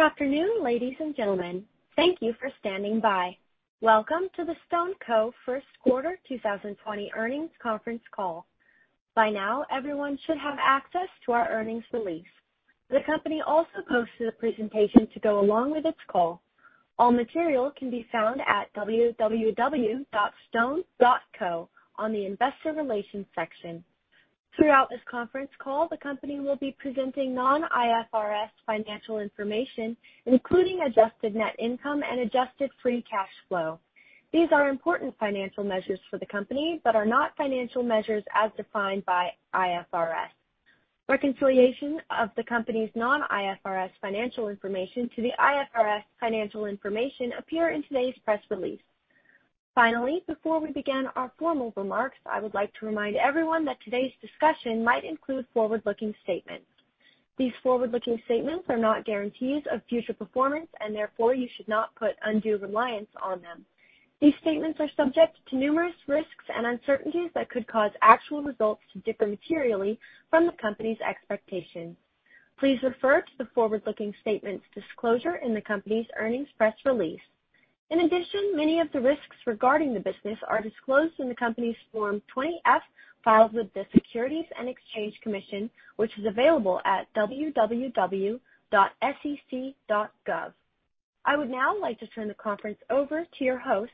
Good afternoon, ladies and gentlemen. Thank you for standing by. Welcome to the StoneCo first quarter 2020 earnings conference call. By now, everyone should have access to our earnings release. The company also posted a presentation to go along with its call. All material can be found at www.stone.co on the investor relations section. Throughout this conference call, the company will be presenting non-IFRS financial information, including adjusted net income and adjusted free cash flow. These are important financial measures for the company, but are not financial measures as defined by IFRS. Reconciliation of the company's non-IFRS financial information to the IFRS financial information appear in today's press release. Finally, before we begin our formal remarks, I would like to remind everyone that today's discussion might include forward-looking statements. These forward-looking statements are not guarantees of future performance, and therefore, you should not put undue reliance on them. These statements are subject to numerous risks and uncertainties that could cause actual results to differ materially from the company's expectations. Please refer to the forward-looking statements disclosure in the company's earnings press release. In addition, many of the risks regarding the business are disclosed in the company's Form 20-F filed with the Securities and Exchange Commission, which is available at www.sec.gov. I would now like to turn the conference over to your host,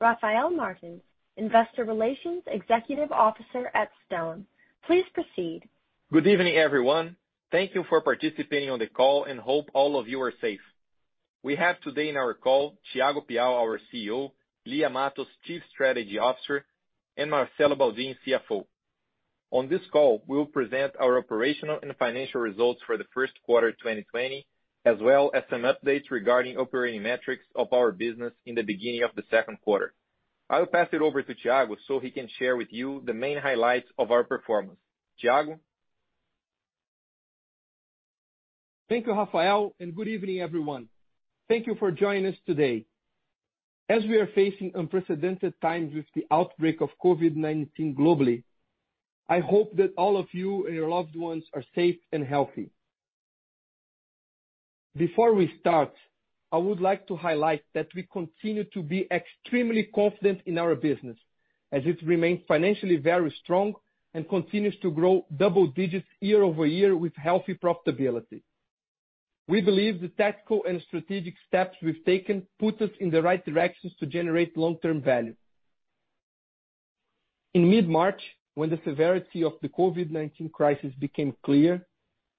Rafael Martins, Investor Relations Executive Officer at Stone. Please proceed. Good evening, everyone. Thank you for participating on the call and hope all of you are safe. We have today on our call, Thiago Piau, our CEO, Lia Matos, Chief Strategy Officer, and Marcelo Baldin, CFO. On this call, we will present our operational and financial results for the first quarter 2020, as well as some updates regarding operating metrics of our business in the beginning of the second quarter. I will pass it over to Thiago so he can share with you the main highlights of our performance. Thiago? Thank you, Rafael, and good evening, everyone. Thank you for joining us today. As we are facing unprecedented times with the outbreak of COVID-19 globally, I hope that all of you and your loved ones are safe and healthy. Before we start, I would like to highlight that we continue to be extremely confident in our business, as it remains financially very strong and continues to grow double digits year-over-year with healthy profitability. We believe the tactical and strategic steps we've taken put us in the right directions to generate long-term value. In mid-March, when the severity of the COVID-19 crisis became clear,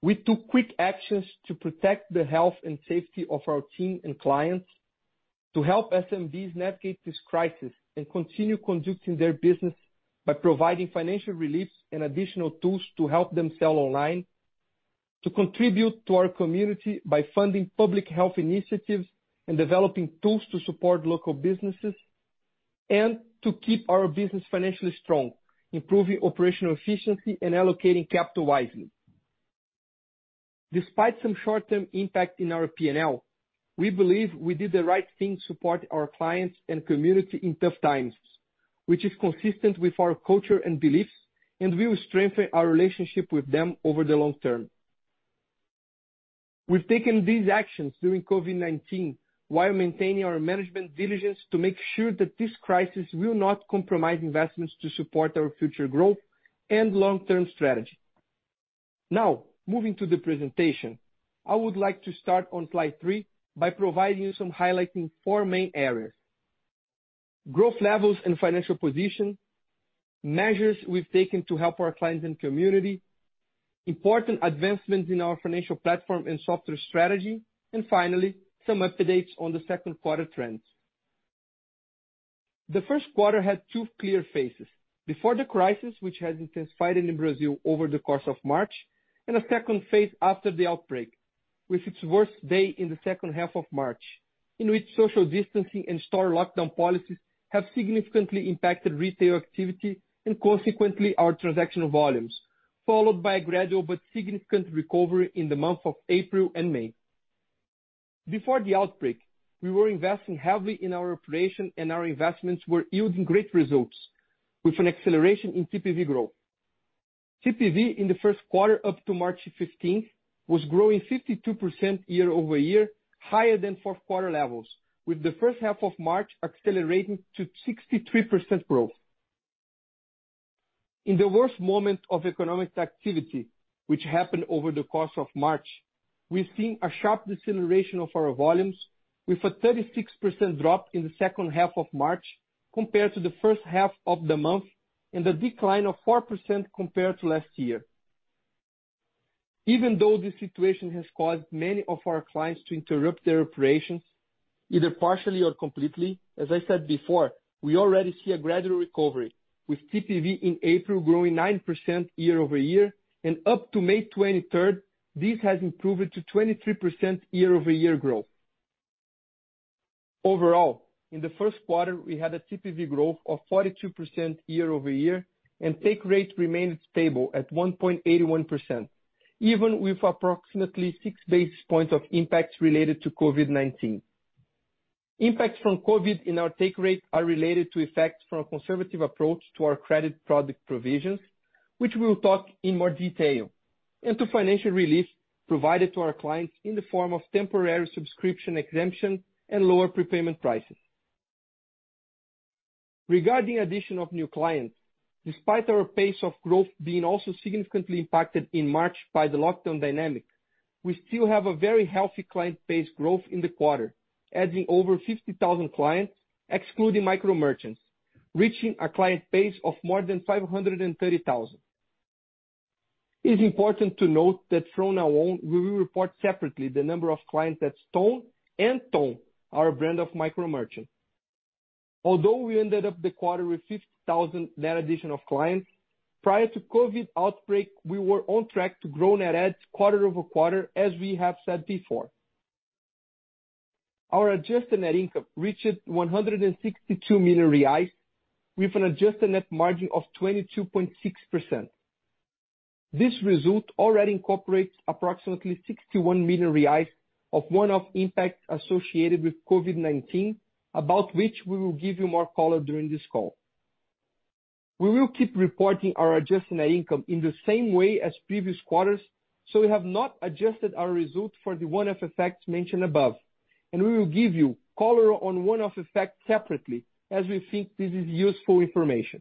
we took quick actions to protect the health and safety of our team and clients, to help SMBs navigate this crisis and continue conducting their business by providing financial relief and additional tools to help them sell online, to contribute to our community by funding public health initiatives and developing tools to support local businesses, and to keep our business financially strong, improving operational efficiency and allocating capital wisely. Despite some short-term impact in our P&L, we believe we did the right thing to support our clients and community in tough times, which is consistent with our culture and beliefs, and will strengthen our relationship with them over the long term. We've taken these actions during COVID-19 while maintaining our management diligence to make sure that this crisis will not compromise investments to support our future growth and long-term strategy. Moving to the presentation. I would like to start on slide three by providing you some highlight in four main areas, growth levels and financial position, measures we've taken to help our clients and community, important advancements in our financial platform and software strategy, and finally, some updates on the second quarter trends. The first quarter had two clear phases: before the crisis, which has intensified in Brazil over the course of March, and a second phase after the outbreak, with its worst day in the second half of March, in which social distancing and store lockdown policies have significantly impacted retail activity and consequently our transactional volumes, followed by a gradual but significant recovery in the month of April and May. Before the outbreak, we were investing heavily in our operation, and our investments were yielding great results, with an acceleration in TPV growth. TPV in the first quarter up to March 15th was growing 52% year-over-year, higher than fourth quarter levels, with the first half of March accelerating to 63% growth. In the worst moment of economic activity, which happened over the course of March, we've seen a sharp deceleration of our volumes with a 36% drop in the second half of March compared to the first half of the month and a decline of four percent compared to last year. Even though the situation has caused many of our clients to interrupt their operations, either partially or completely, as I said before, we already see a gradual recovery, with TPV in April growing nine percent year-over-year and up to May 23rd, this has improved to 23% year-over-year growth. Overall, in the first quarter, we had a TPV growth of 42% year-over-year, and take rate remained stable at 1.81%, even with approximately six basis points of impacts related to COVID-19. Impact from COVID in our take rate are related to effects from a conservative approach to our credit product provisions, which we'll talk in more detail, and to financial relief provided to our clients in the form of temporary subscription exemption and lower prepayment prices. Regarding addition of new clients, despite our pace of growth being also significantly impacted in March by the lockdown dynamic, we still have a very healthy client base growth in the quarter, adding over 50,000 clients, excluding micro merchants, reaching a client base of more than 530,000. It's important to note that from now on, we will report separately the number of clients at Stone and Ton, our brand of micro merchant. Although we ended up the quarter with 50,000 net addition of clients, prior to COVID-19 outbreak, we were on track to grow net adds quarter-over-quarter, as we have said before. Our adjusted net income reached 162 million reais, with an adjusted net margin of 22.6%. This result already incorporates approximately 61 million reais of one-off impact associated with COVID-19, about which we will give you more color during this call. We will keep reporting our adjusted net income in the same way as previous quarters, so we have not adjusted our result for the one-off effects mentioned above, and we will give you color on one-off effects separately, as we think this is useful information.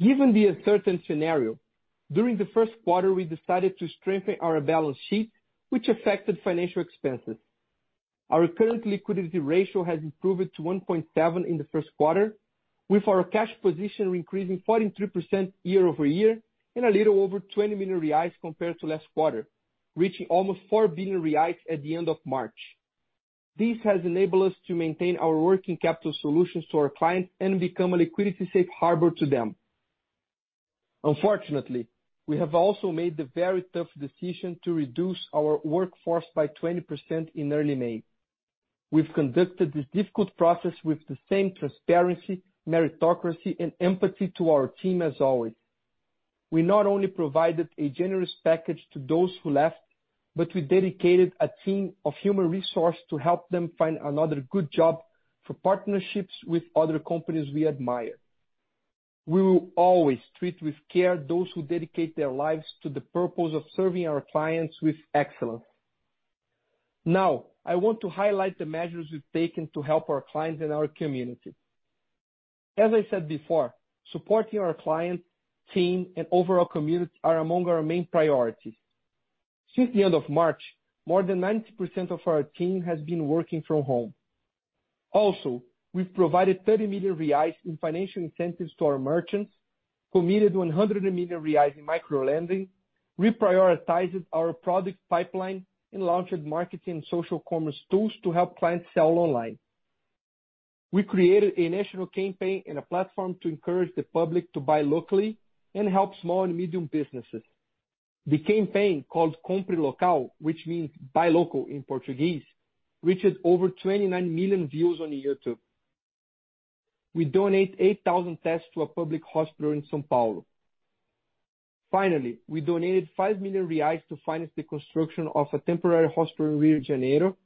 Given the uncertain scenario, during the first quarter, we decided to strengthen our balance sheet, which affected financial expenses. Our current liquidity ratio has improved to 1.7 in the first quarter, with our cash position increasing 43% year-over-year and a little over 20 million reais compared to last quarter, reaching almost 4 billion reais at the end of March. This has enabled us to maintain our working capital solutions to our clients and become a liquidity safe harbor to them. Unfortunately, we have also made the very tough decision to reduce our workforce by 20% in early May. We've conducted this difficult process with the same transparency, meritocracy, and empathy to our team as always. We not only provided a generous package to those who left, but we dedicated a team of human resource to help them find another good job for partnerships with other companies we admire. We will always treat with care those who dedicate their lives to the purpose of serving our clients with excellence. I want to highlight the measures we've taken to help our clients and our community. As I said before, supporting our clients, team, and overall community are among our main priorities. Since the end of March, more than 90% of our team has been working from home. We've provided 30 million reais in financial incentives to our merchants, committed 100 million reais in micro-lending, reprioritized our product pipeline, and launched marketing and social commerce tools to help clients sell online. We created a national campaign and a platform to encourage the public to buy locally and help small and medium businesses. The campaign called Compre Local, which means buy local in Portuguese, reached over 29 million views on YouTube. We donate 8,000 tests to a public hospital in São Paulo. Finally, we donated 5 million reais to finance the construction of a temporary hospital in Rio de Janeiro,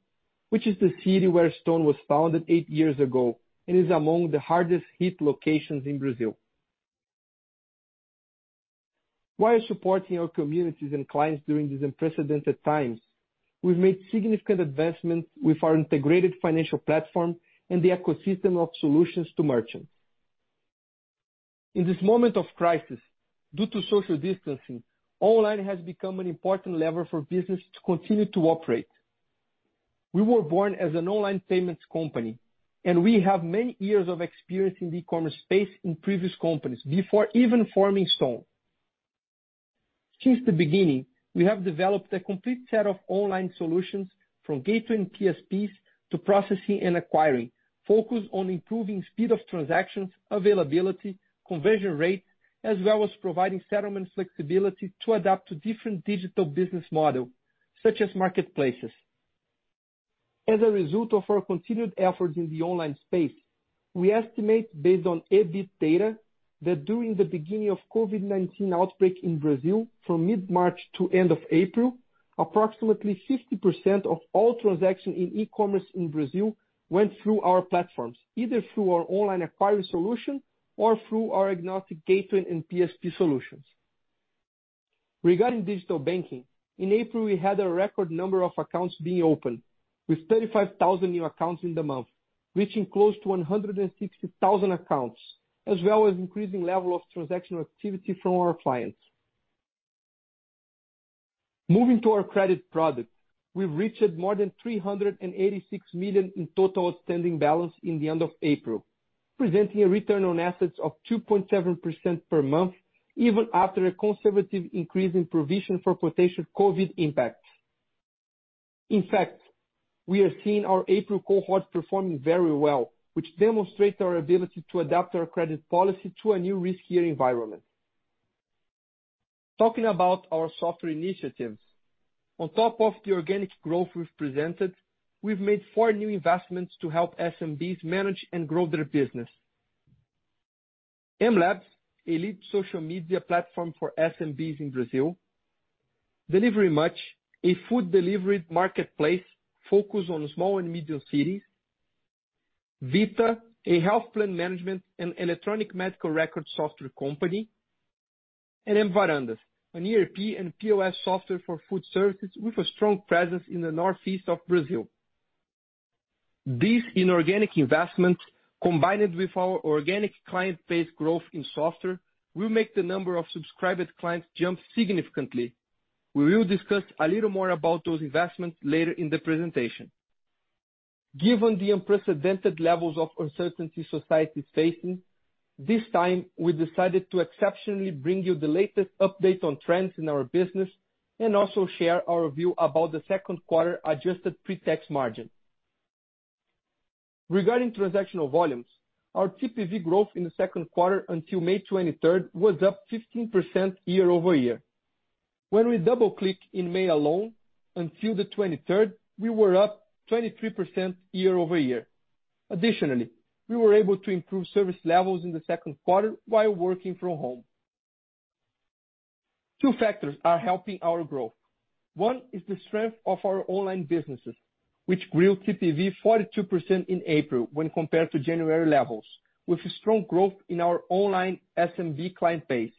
which is the city where Stone was founded eight years ago and is among the hardest hit locations in Brazil. While supporting our communities and clients during these unprecedented times, we've made significant advancements with our integrated financial platform and the ecosystem of solutions to merchants. In this moment of crisis, due to social distancing, online has become an important lever for business to continue to operate. We were born as an online payments company, and we have many years of experience in the e-commerce space in previous companies before even forming Stone. Since the beginning, we have developed a complete set of online solutions, from gateway and PSPs to processing and acquiring, focused on improving speed of transactions, availability, conversion rate, as well as providing settlement flexibility to adapt to different digital business model, such as marketplaces. As a result of our continued efforts in the online space, we estimate based on Ebit data that during the beginning of COVID-19 outbreak in Brazil, from mid-March to end of April, approximately 50% of all transactions in e-commerce in Brazil went through our platforms, either through our online acquiring solution or through our agnostic gateway and PSP solutions. Regarding digital banking, in April, we had a record number of accounts being opened with 35,000 new accounts in the month, reaching close to 160,000 accounts, as well as increasing level of transactional activity from our clients. Moving to our credit products, we've reached more than 386 million in total outstanding balance in the end of April, presenting a return on assets of 2.7% per month, even after a conservative increase in provision for potential COVID-19 impacts. In fact, we are seeing our April cohort performing very well, which demonstrates our ability to adapt our credit policy to a new riskier environment. Talking about our software initiatives. On top of the organic growth we've presented, we've made four new investments to help SMBs manage and grow their business. mLabs, a lead social media platform for SMBs in Brazil, Delivery Much, a food delivery marketplace focused on small and medium cities, Vita, a health plan management and electronic medical records software company, and MVarandas, an ERP and POS software for food services with a strong presence in the northeast of Brazil. These inorganic investments, combined with our organic client base growth in software, will make the number of subscribed clients jump significantly. We will discuss a little more about those investments later in the presentation. Given the unprecedented levels of uncertainty society is facing, this time we decided to exceptionally bring you the latest update on trends in our business, and also share our view about the second quarter adjusted pre-tax margin. Regarding transactional volumes, our TPV growth in the second quarter until May 23rd was up 15% year-over-year. When we double-click in May alone, until the 23rd, we were up 23% year-over-year. Additionally, we were able to improve service levels in the second quarter while working from home. Two factors are helping our growth. One is the strength of our online businesses, which grew TPV 42% in April when compared to January levels, with strong growth in our online SMB client base.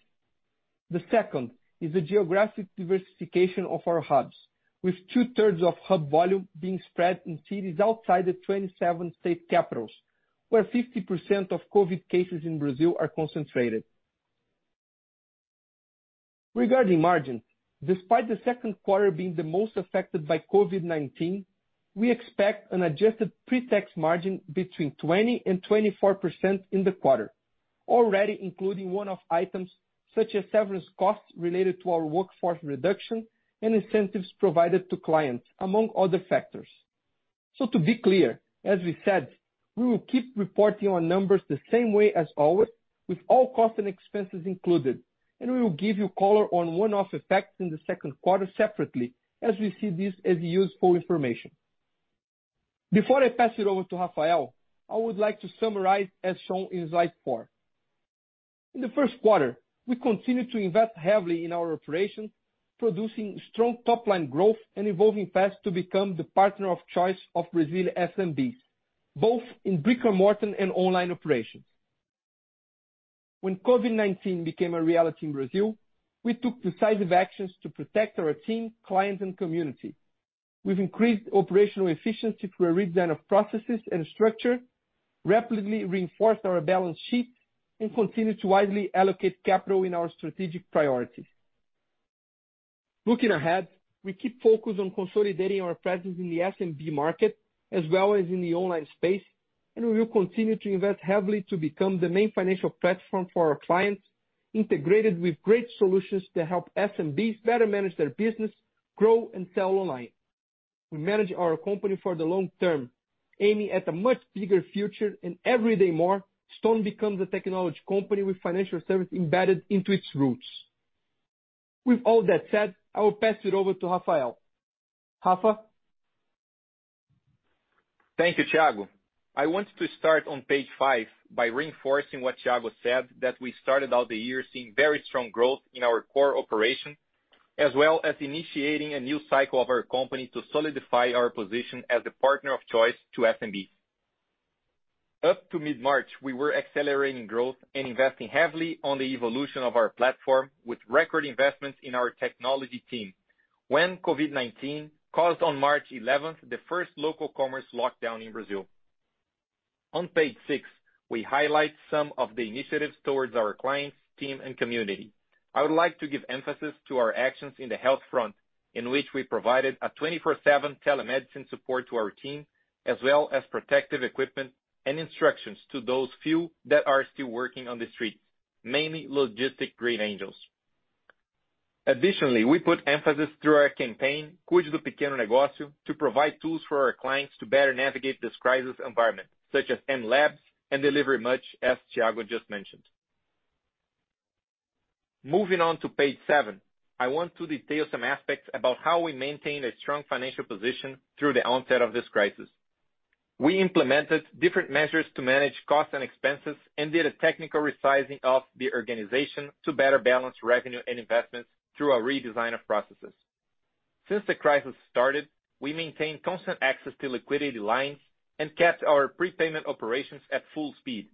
The second is the geographic diversification of our hubs, with two-thirds of hub volume being spread in cities outside the 27 state capitals, where 50% of COVID-19 cases in Brazil are concentrated. Regarding margin, despite the second quarter being the most affected by COVID-19, we expect an adjusted pre-tax margin between 20% and 24% in the quarter, already including one-off items such as severance costs related to our workforce reduction and incentives provided to clients, among other factors. To be clear, as we said, we will keep reporting on numbers the same way as always, with all costs and expenses included, and we will give you color on one-off effects in the second quarter separately as we see this as useful information. Before I pass it over to Rafael, I would like to summarize, as shown in slide four. In the first quarter, we continued to invest heavily in our operations, producing strong top-line growth and evolving fast to become the partner of choice of Brazil SMBs, both in brick-and-mortar and online operations. When COVID-19 became a reality in Brazil, we took decisive actions to protect our team, clients, and community. We've increased operational efficiency through a redesign of processes and structure, rapidly reinforced our balance sheet, and continued to wisely allocate capital in our strategic priorities. Looking ahead, we keep focused on consolidating our presence in the SMB market as well as in the online space. We will continue to invest heavily to become the main financial platform for our clients, integrated with great solutions to help SMBs better manage their business, grow, and sell online. We manage our company for the long term, aiming at a much bigger future. Every day more, Stone becomes a technology company with financial service embedded into its roots. With all that said, I will pass it over to Rafael. Rafa? Thank you, Thiago. I want to start on page five by reinforcing what Thiago said, that we started out the year seeing very strong growth in our core operation, as well as initiating a new cycle of our company to solidify our position as the partner of choice to SMBs. Up to mid-March, we were accelerating growth and investing heavily on the evolution of our platform with record investments in our technology team. COVID-19 caused, on March 11th, the first local commerce lockdown in Brazil. On page six, we highlight some of the initiatives towards our clients, team, and community. I would like to give emphasis to our actions in the health front, in which we provided a 24/7 telemedicine support to our team, as well as protective equipment and instructions to those few that are still working on the street, mainly logistic Green Angels. Additionally, we put emphasis through our campaign, Cuide do Pequeno Negócio, to provide tools for our clients to better navigate this crisis environment, such as mLabs and Delivery Much, as Thiago just mentioned. Moving on to page seven, I want to detail some aspects about how we maintained a strong financial position through the onset of this crisis. We implemented different measures to manage costs and expenses and did a technical resizing of the organization to better balance revenue and investments through a redesign of processes. Since the crisis started, we maintained constant access to liquidity lines and kept our prepayment operations at full speed,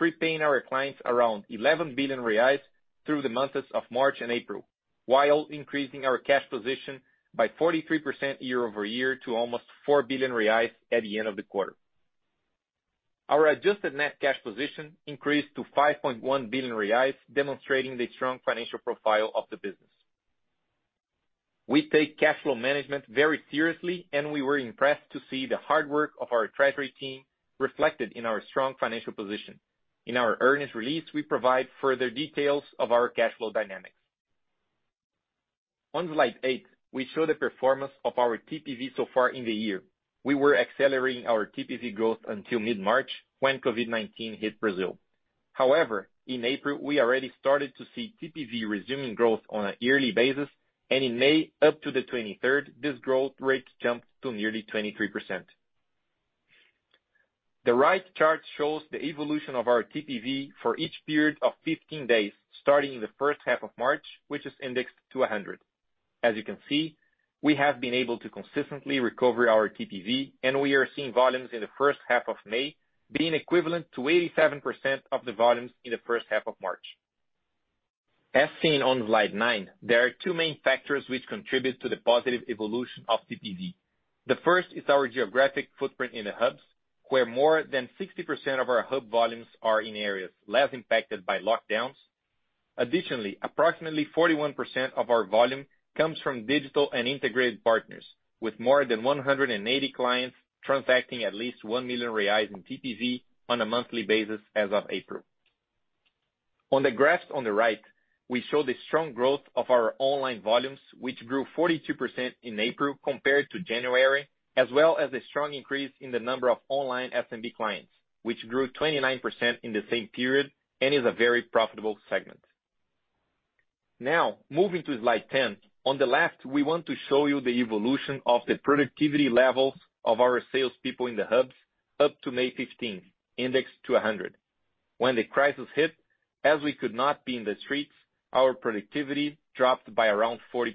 prepaying our clients around 11 billion reais through the months of March and April, while increasing our cash position by 43% year-over-year to almost 4 billion reais at the end of the quarter. Our adjusted net cash position increased to 5.1 billion reais, demonstrating the strong financial profile of the business. We take cash flow management very seriously, and we were impressed to see the hard work of our treasury team reflected in our strong financial position. In our earnings release, we provide further details of our cash flow dynamics. On slide eight, we show the performance of our TPV so far in the year. We were accelerating our TPV growth until mid-March, when COVID-19 hit Brazil. However, in April, we already started to see TPV resuming growth on a yearly basis, and in May, up to the 23rd, this growth rate jumped to nearly 23%. The right chart shows the evolution of our TPV for each period of 15 days, starting in the first half of March, which is indexed to 100. As you can see, we have been able to consistently recover our TPV, and we are seeing volumes in the first half of May being equivalent to 87% of the volumes in the first half of March. As seen on slide nine, there are two main factors which contribute to the positive evolution of TPV. The first is our geographic footprint in the hubs, where more than 60% of our hub volumes are in areas less impacted by lockdowns. Additionally, approximately 41% of our volume comes from digital and integrated partners, with more than 180 clients transacting at least 1 million reais in TPV on a monthly basis as of April. On the graphs on the right, we show the strong growth of our online volumes, which grew 42% in April compared to January, as well as a strong increase in the number of online SMB clients, which grew 29% in the same period and is a very profitable segment. Moving to slide 10. On the left, we want to show you the evolution of the productivity levels of our salespeople in the hubs up to May 15th, indexed to 100. When the crisis hit, as we could not be in the streets, our productivity dropped by around 40%.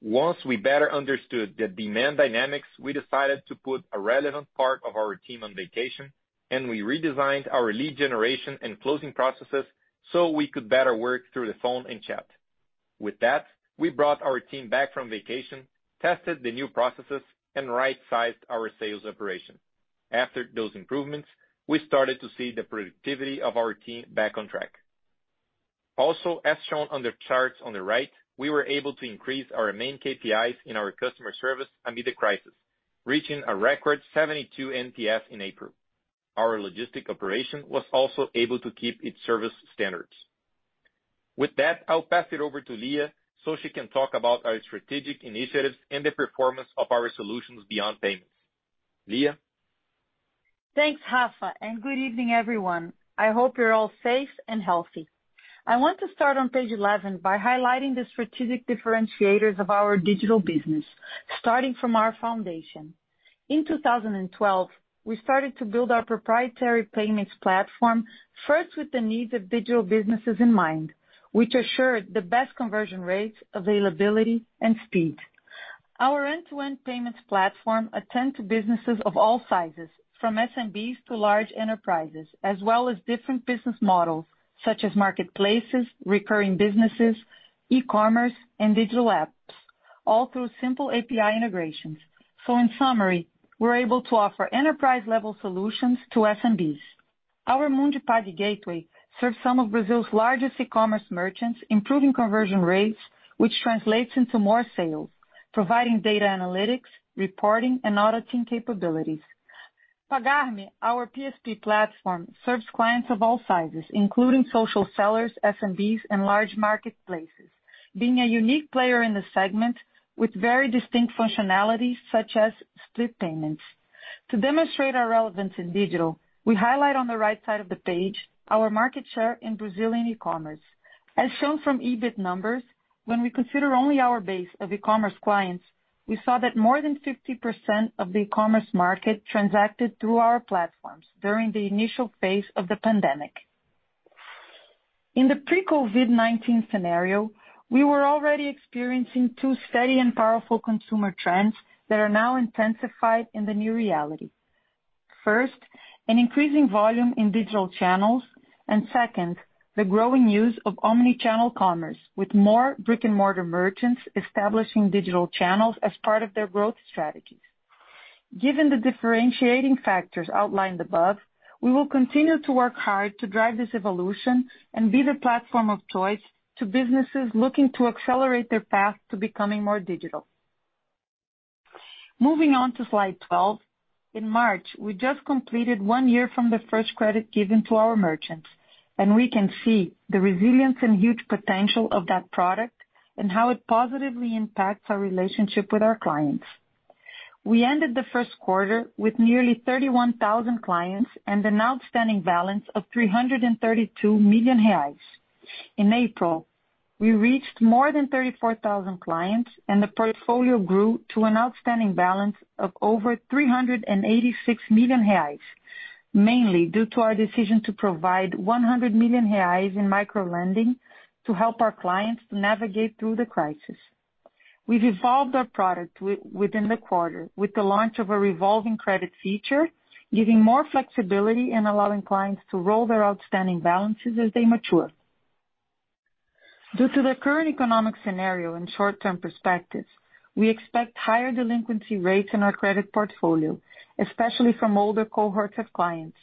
Once we better understood the demand dynamics, we decided to put a relevant part of our team on vacation, and we redesigned our lead generation and closing processes so we could better work through the phone and chat. With that, we brought our team back from vacation, tested the new processes, and right-sized our sales operation. After those improvements, we started to see the productivity of our team back on track. As shown on the charts on the right, we were able to increase our main KPIs in our customer service amid the crisis, reaching a record 72 NPS in April. Our logistic operation was also able to keep its service standards. With that, I'll pass it over to Lia so she can talk about our strategic initiatives and the performance of our solutions beyond payments. Lia? Thanks, Rafa. Good evening, everyone. I hope you're all safe and healthy. I want to start on page 11 by highlighting the strategic differentiators of our digital business, starting from our foundation. In 2012, we started to build our proprietary payments platform first with the needs of digital businesses in mind, which assured the best conversion rates, availability, and speed. Our end-to-end payments platform attend to businesses of all sizes, from SMBs to large enterprises, as well as different business models, such as marketplaces, recurring businesses, e-commerce, and digital apps, all through simple API integrations. In summary, we're able to offer enterprise-level solutions to SMBs. Our Mundipagg gateway serves some of Brazil's largest e-commerce merchants, improving conversion rates, which translates into more sales, providing data analytics, reporting, and auditing capabilities. Pagar.me, our PSP platform, serves clients of all sizes, including social sellers, SMBs, and large marketplaces, being a unique player in the segment with very distinct functionalities such as split payments. To demonstrate our relevance in digital, we highlight on the right side of the page our market share in Brazilian e-commerce. As shown from Ebit numbers, when we consider only our base of e-commerce clients, we saw that more than 50% of the e-commerce market transacted through our platforms during the initial phase of the pandemic. In the pre-COVID-19 scenario, we were already experiencing two steady and powerful consumer trends that are now intensified in the new reality. First, an increasing volume in digital channels, and second, the growing use of omni-channel commerce, with more brick-and-mortar merchants establishing digital channels as part of their growth strategies. Given the differentiating factors outlined above, we will continue to work hard to drive this evolution and be the platform of choice to businesses looking to accelerate their path to becoming more digital. Moving on to slide 12. In March, we just completed one year from the first credit given to our merchants, and we can see the resilience and huge potential of that product and how it positively impacts our relationship with our clients. We ended the first quarter with nearly 31,000 clients and an outstanding balance of 332 million reais. In April, we reached more than 34,000 clients, and the portfolio grew to an outstanding balance of over 386 million reais, mainly due to our decision to provide 100 million reais in micro-lending to help our clients navigate through the crisis. We've evolved our product within the quarter with the launch of a revolving credit feature, giving more flexibility and allowing clients to roll their outstanding balances as they mature. Due to the current economic scenario and short-term perspectives, we expect higher delinquency rates in our credit portfolio, especially from older cohorts of clients.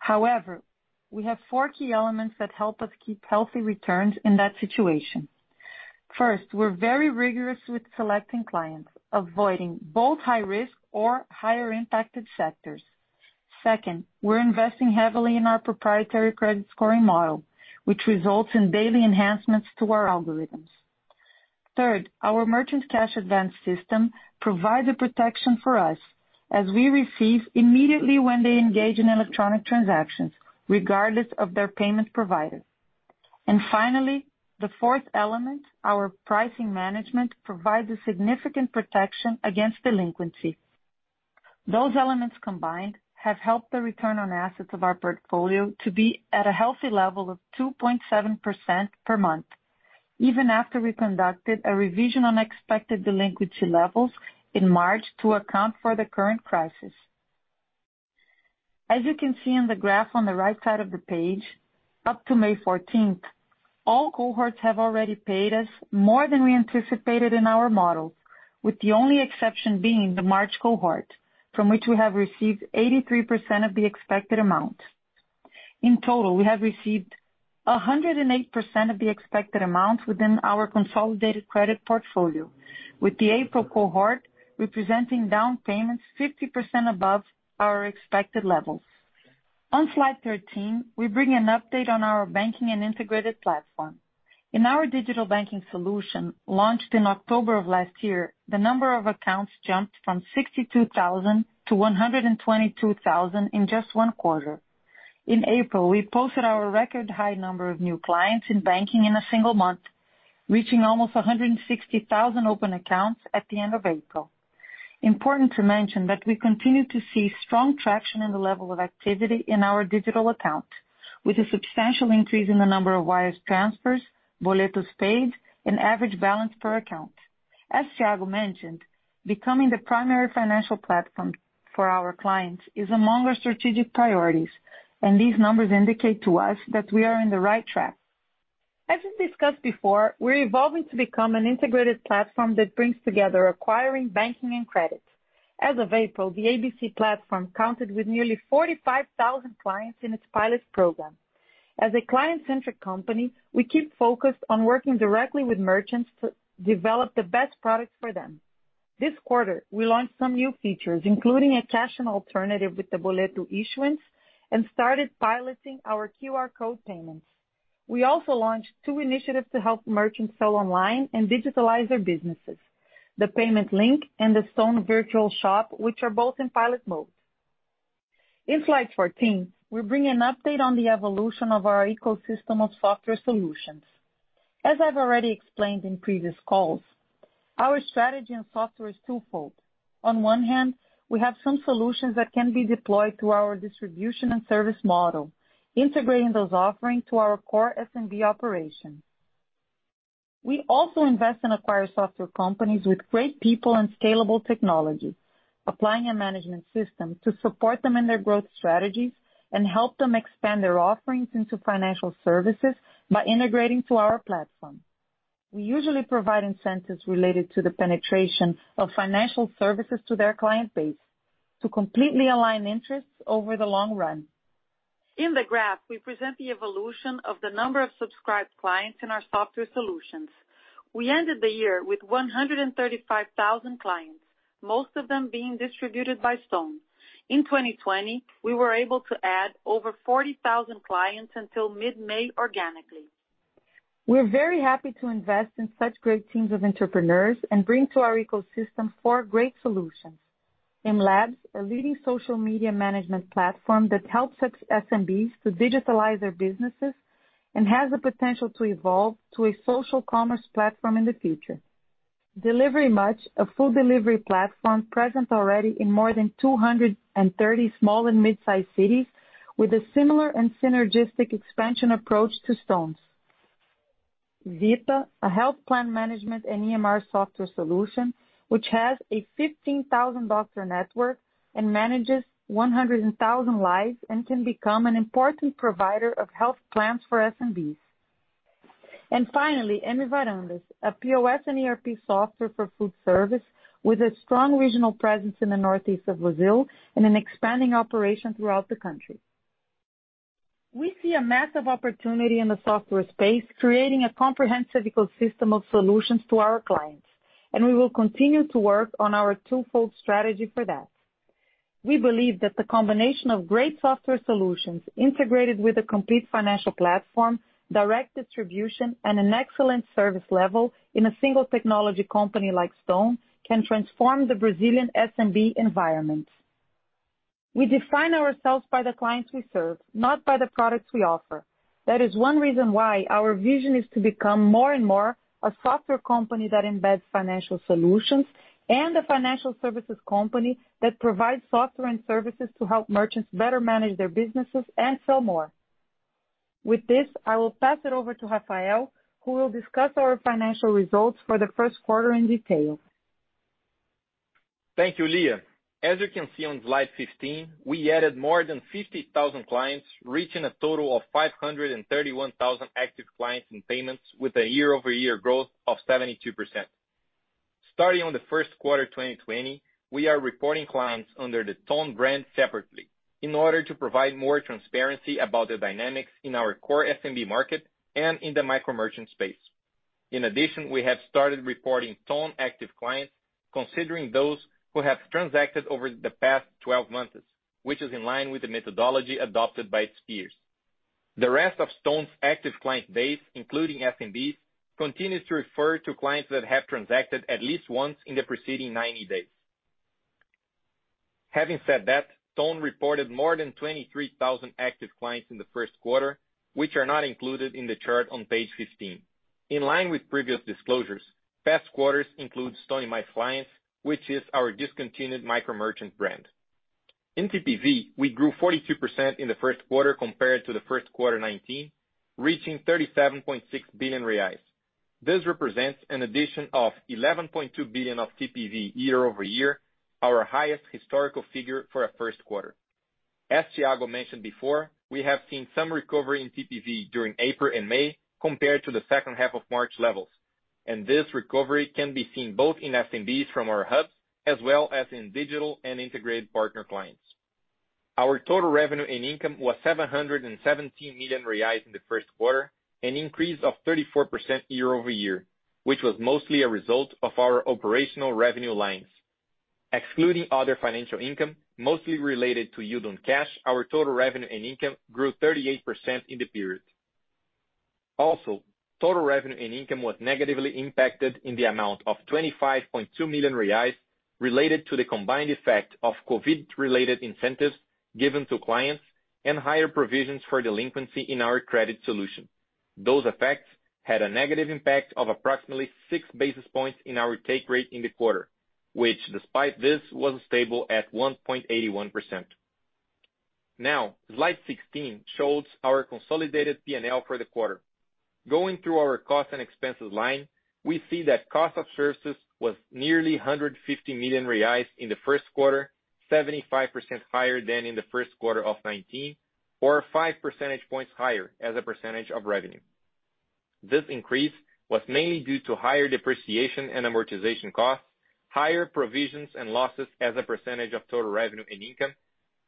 However, we have four key elements that help us keep healthy returns in that situation. First, we're very rigorous with selecting clients, avoiding both high risk or higher impacted sectors. Second, we're investing heavily in our proprietary credit scoring model, which results in daily enhancements to our algorithms. Third, our merchant cash advance system provides a protection for us as we receive immediately when they engage in electronic transactions, regardless of their payment provider. Finally, the fourth element, our pricing management, provides a significant protection against delinquency. Those elements combined have helped the return on assets of our portfolio to be at a healthy level of 2.7% per month, even after we conducted a revision on expected delinquency levels in March to account for the current crisis. As you can see on the graph on the right side of the page, up to May 14th, all cohorts have already paid us more than we anticipated in our model, with the only exception being the March cohort, from which we have received 83% of the expected amount. In total, we have received 108% of the expected amount within our consolidated credit portfolio, with the April cohort representing down payments 50% above our expected levels. On slide 13, we bring an update on our banking and integrated platform. In our digital banking solution, launched in October of last year, the number of accounts jumped from 62,000 to 122,000 in just one quarter. In April, we posted our record high number of new clients in banking in a single month, reaching almost 160,000 open accounts at the end of April. Important to mention that we continue to see strong traction in the level of activity in our digital account, with a substantial increase in the number of wire transfers, boletos paid, and average balance per account. As Thiago mentioned, becoming the primary financial platform for our clients is among our strategic priorities, and these numbers indicate to us that we are in the right track. As we discussed before, we're evolving to become an integrated platform that brings together acquiring, banking and credit. As of April, the ABC platform counted with nearly 45,000 clients in its pilot program. As a client-centric company, we keep focused on working directly with merchants to develop the best products for them. This quarter, we launched some new features, including a cash alternative with the boleto issuance, and started piloting our QR code payments. We also launched two initiatives to help merchants sell online and digitalize their businesses, the payment link and the Stone virtual shop, which are both in pilot mode. In slide 14, we bring an update on the evolution of our ecosystem of software solutions. As I've already explained in previous calls, our strategy on software is twofold. On one hand, we have some solutions that can be deployed through our distribution and service model, integrating those offerings to our core SMB operations. We also invest and acquire software companies with great people and scalable technology, applying a management system to support them in their growth strategies and help them expand their offerings into financial services by integrating to our platform. We usually provide incentives related to the penetration of financial services to their client base to completely align interests over the long run. In the graph, we present the evolution of the number of subscribed clients in our software solutions. We ended the year with 135,000 clients, most of them being distributed by Stone. In 2020, we were able to add over 40,000 clients until mid-May organically. We are very happy to invest in such great teams of entrepreneurs and bring to our ecosystem four great solutions. mLabs, a leading social media management platform that helps SMBs to digitalize their businesses and has the potential to evolve to a social commerce platform in the future. Delivery Much, a food delivery platform present already in more than 230 small and mid-size cities with a similar and synergistic expansion approach to Stone's. Vita, a health plan management and EMR software solution, which has a 15,000 doctor network and manages 100,000 lives and can become an important provider of health plans for SMBs. Finally, MVarandas, a POS and ERP software for food service with a strong regional presence in the northeast of Brazil and an expanding operation throughout the country. We see a massive opportunity in the software space, creating a comprehensive ecosystem of solutions to our clients, and we will continue to work on our twofold strategy for that. We believe that the combination of great software solutions integrated with a complete financial platform, direct distribution, and an excellent service level in a single technology company like Stone can transform the Brazilian SMB environment. We define ourselves by the clients we serve, not by the products we offer. That is one reason why our vision is to become more and more a software company that embeds financial solutions and a financial services company that provides software and services to help merchants better manage their businesses and sell more. With this, I will pass it over to Rafael, who will discuss our financial results for the first quarter in detail. Thank you, Lia. As you can see on slide 15, we added more than 50,000 clients, reaching a total of 531,000 active clients in payments with a year-over-year growth of 72%. Starting on the first quarter 2020, we are reporting clients under the Stone brand separately, in order to provide more transparency about the dynamics in our core SMB market and in the micro merchant space. In addition, we have started reporting Stone active clients, considering those who have transacted over the past 12 months, which is in line with the methodology adopted by its peers. The rest of Stone's active client base, including SMBs, continues to refer to clients that have transacted at least once in the preceding 90 days. Having said that, Stone reported more than 23,000 active clients in the first quarter, which are not included in the chart on page 15. In line with previous disclosures, past quarters include Stone My Clients, which is our discontinued micro merchant brand. In TPV, we grew 42% in the first quarter compared to the first quarter 2019, reaching 37.6 billion reais. This represents an addition of 11.2 billion of TPV year-over-year, our highest historical figure for a first quarter. As Thiago mentioned before, we have seen some recovery in TPV during April and May compared to the second half of March levels. This recovery can be seen both in SMBs from our hubs as well as in digital and integrated partner clients. Our total revenue and income was 717 million reais in the first quarter, an increase of 34% year-over-year, which was mostly a result of our operational revenue lines. Excluding other financial income, mostly related to yield on cash, our total revenue and income grew 38% in the period. Total revenue and income was negatively impacted in the amount of 25.2 million reais related to the combined effect of COVID-related incentives given to clients and higher provisions for delinquency in our credit solution. Those effects had a negative impact of approximately six basis points in our take rate in the quarter, which despite this, was stable at 1.81%. Slide 16 shows our consolidated P&L for the quarter. Going through our cost and expenses line, we see that cost of services was nearly 150 million reais in the first quarter, 75% higher than in the first quarter of 2019, or five percentage points higher as a percentage of revenue. This increase was mainly due to higher depreciation and amortization costs, higher provisions and losses as a percentage of total revenue and income,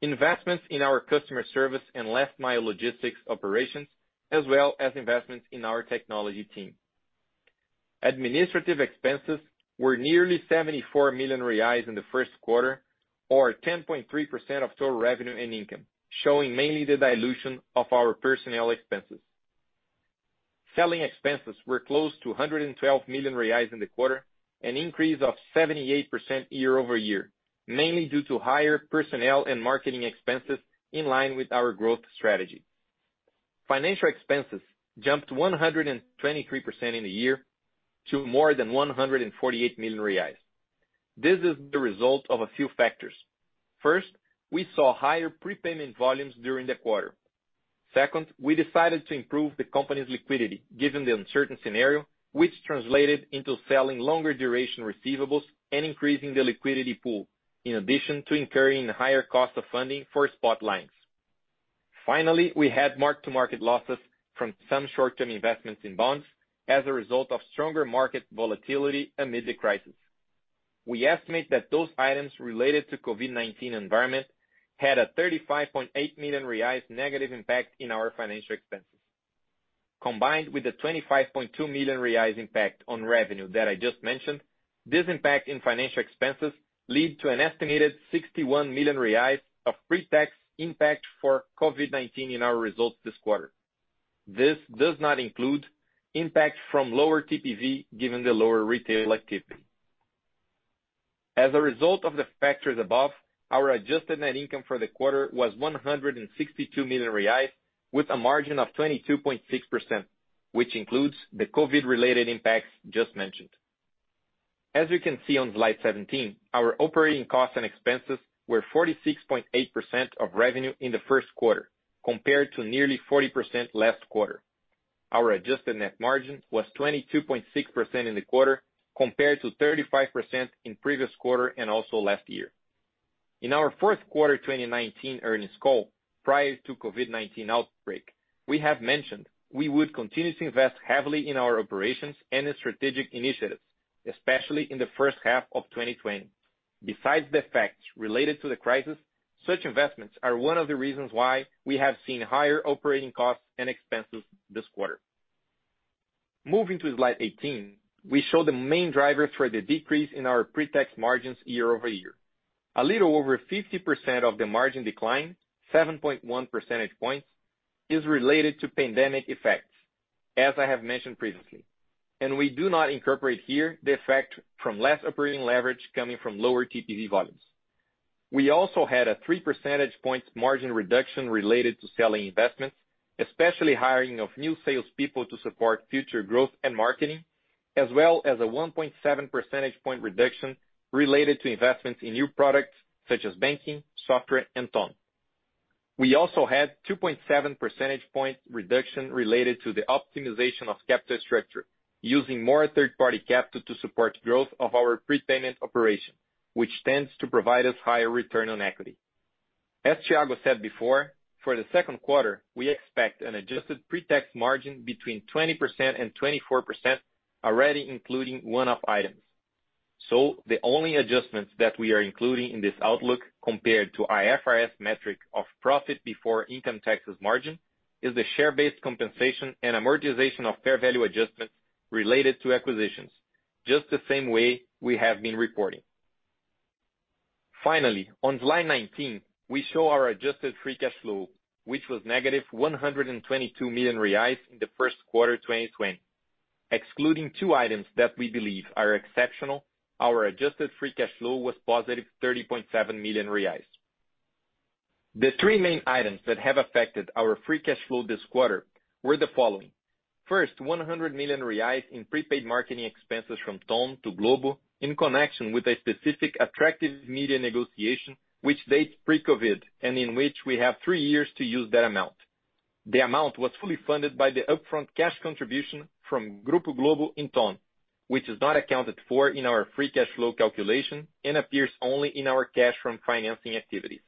investments in our customer service and last mile logistics operations, as well as investments in our technology team. Administrative expenses were nearly 74 million reais in the first quarter, or 10.3% of total revenue and income, showing mainly the dilution of our personnel expenses. Selling expenses were close to 112 million reais in the quarter, an increase of 78% year-over-year, mainly due to higher personnel and marketing expenses in line with our growth strategy. Financial expenses jumped 123% in the year to more than 148 million reais. This is the result of a few factors. First, we saw higher prepayment volumes during the quarter. Second, we decided to improve the company's liquidity given the uncertain scenario, which translated into selling longer duration receivables and increasing the liquidity pool, in addition to incurring higher cost of funding for spot lines. We had mark-to-market losses from some short-term investments in bonds as a result of stronger market volatility amid the crisis. We estimate that those items related to COVID-19 environment had a 35.8 million reais negative impact in our financial expenses. Combined with the 25.2 million reais impact on revenue that I just mentioned, this impact in financial expenses led to an estimated 61 million reais of pre-tax impact for COVID-19 in our results this quarter. This does not include impact from lower TPV given the lower retail activity. As a result of the factors above, our adjusted net income for the quarter was 162 million reais with a margin of 22.6%, which includes the COVID-19 related impacts just mentioned. As you can see on slide 17, our operating costs and expenses were 46.8% of revenue in the first quarter compared to nearly 40% last quarter. Our adjusted net margin was 22.6% in the quarter compared to 35% in previous quarter and also last year. In our fourth quarter 2019 earnings call, prior to COVID-19 outbreak, we have mentioned we would continue to invest heavily in our operations and in strategic initiatives, especially in the first half of 2020. Besides the effects related to the crisis, such investments are one of the reasons why we have seen higher operating costs and expenses this quarter. Moving to slide 18, we show the main drivers for the decrease in our pre-tax margins year over year. A little over 50% of the margin decline, 7.1 percentage points, is related to pandemic effects, as I have mentioned previously. We do not incorporate here the effect from less operating leverage coming from lower TPV volumes. We also had a three percentage points margin reduction related to selling investments, especially hiring of new sales people to support future growth and marketing, as well as a 1.7 percentage point reduction related to investments in new products such as banking, software, and Ton. We also had 2.7 percentage point reduction related to the optimization of capital structure using more third-party capital to support growth of our prepayment operation, which tends to provide us higher return on equity. As Thiago said before, for the second quarter, we expect an adjusted pre-tax margin between 20% and 24%, already including one-off items. The only adjustments that we are including in this outlook compared to IFRS metric of profit before income taxes margin is the share-based compensation and amortization of fair value adjustments related to acquisitions, just the same way we have been reporting. Finally, on slide 19, we show our adjusted free cash flow, which was negative 122 million reais in the first quarter 2020. Excluding two items that we believe are exceptional, our adjusted free cash flow was positive 30.7 million reais. The three main items that have affected our free cash flow this quarter were the following. First, 100 million reais in prepaid marketing expenses from Ton to Globo in connection with a specific attractive media negotiation, which dates pre-COVID-19, and in which we have three years to use that amount. The amount was fully funded by the upfront cash contribution from Grupo Globo in Ton, which is not accounted for in our free cash flow calculation and appears only in our cash from financing activities.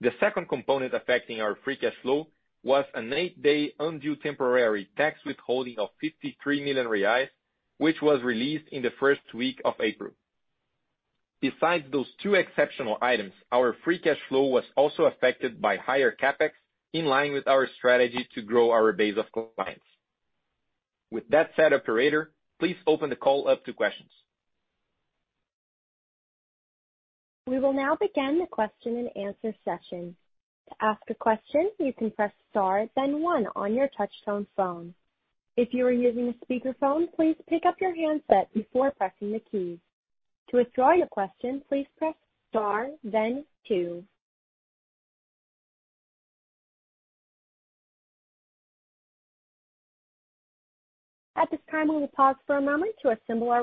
The second component affecting our free cash flow was an eight-day undue temporary tax withholding of 53 million reais, which was released in the first week of April. Besides those two exceptional items, our free cash flow was also affected by higher CapEx in line with our strategy to grow our base of clients. With that said, operator, please open the call up to questions. We will now begin the question and answer session. To ask a question, you can press star then one on your touch-tone phone. If you are using a speakerphone, please pick up your handset before pressing the key. To withdraw your question, please press star then two. At this time, we will pause for a moment to assemble our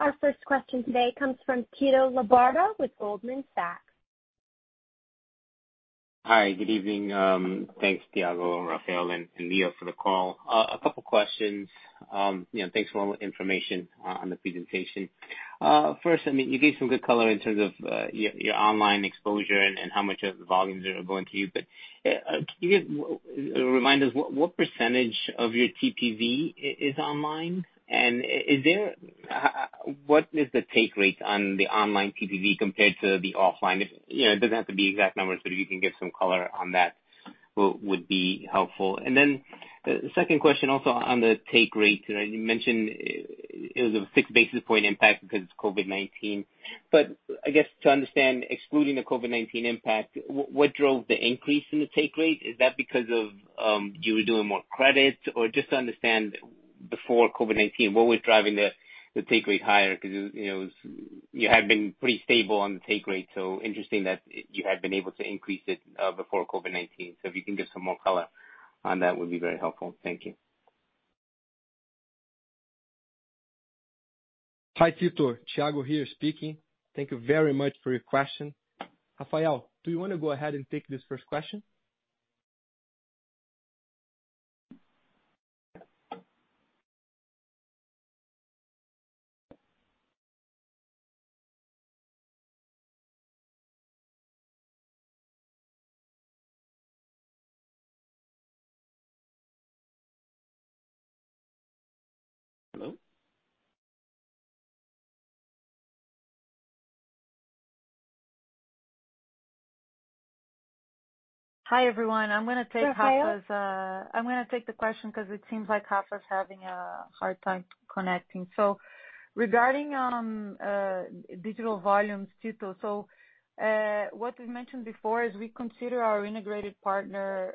roll. Our first question today comes from Tito Labarta with Goldman Sachs. Hi. Good evening. Thanks, Thiago, Rafael, and Lia for the call. A couple questions. Thanks for all the information on the presentation. First, you gave some good color in terms of your online exposure and how much of the volumes are going to you. Can you remind us what percentage of your TPV is online? What is the take rate on the online TPV compared to the offline? It doesn't have to be exact numbers, but if you can give some color on that, would be helpful. The second question also on the take rate. You mentioned it was a six basis point impact because of COVID-19. I guess to understand, excluding the COVID-19 impact, what drove the increase in the take rate? Is that because you were doing more credit? Just to understand, before COVID-19, what was driving the take rate higher? You had been pretty stable on the take rate, so interesting that you had been able to increase it before COVID-19. If you can give some more color on that would be very helpful. Thank you. Hi, Tito. Thiago here speaking. Thank you very much for your question. Rafael, do you want to go ahead and take this first question? Hello? Hi, everyone. Rafael? I'm going to take the question because it seems like Rafael's having a hard time connecting. Regarding digital volumes, Tito, what we mentioned before is we consider our integrated partners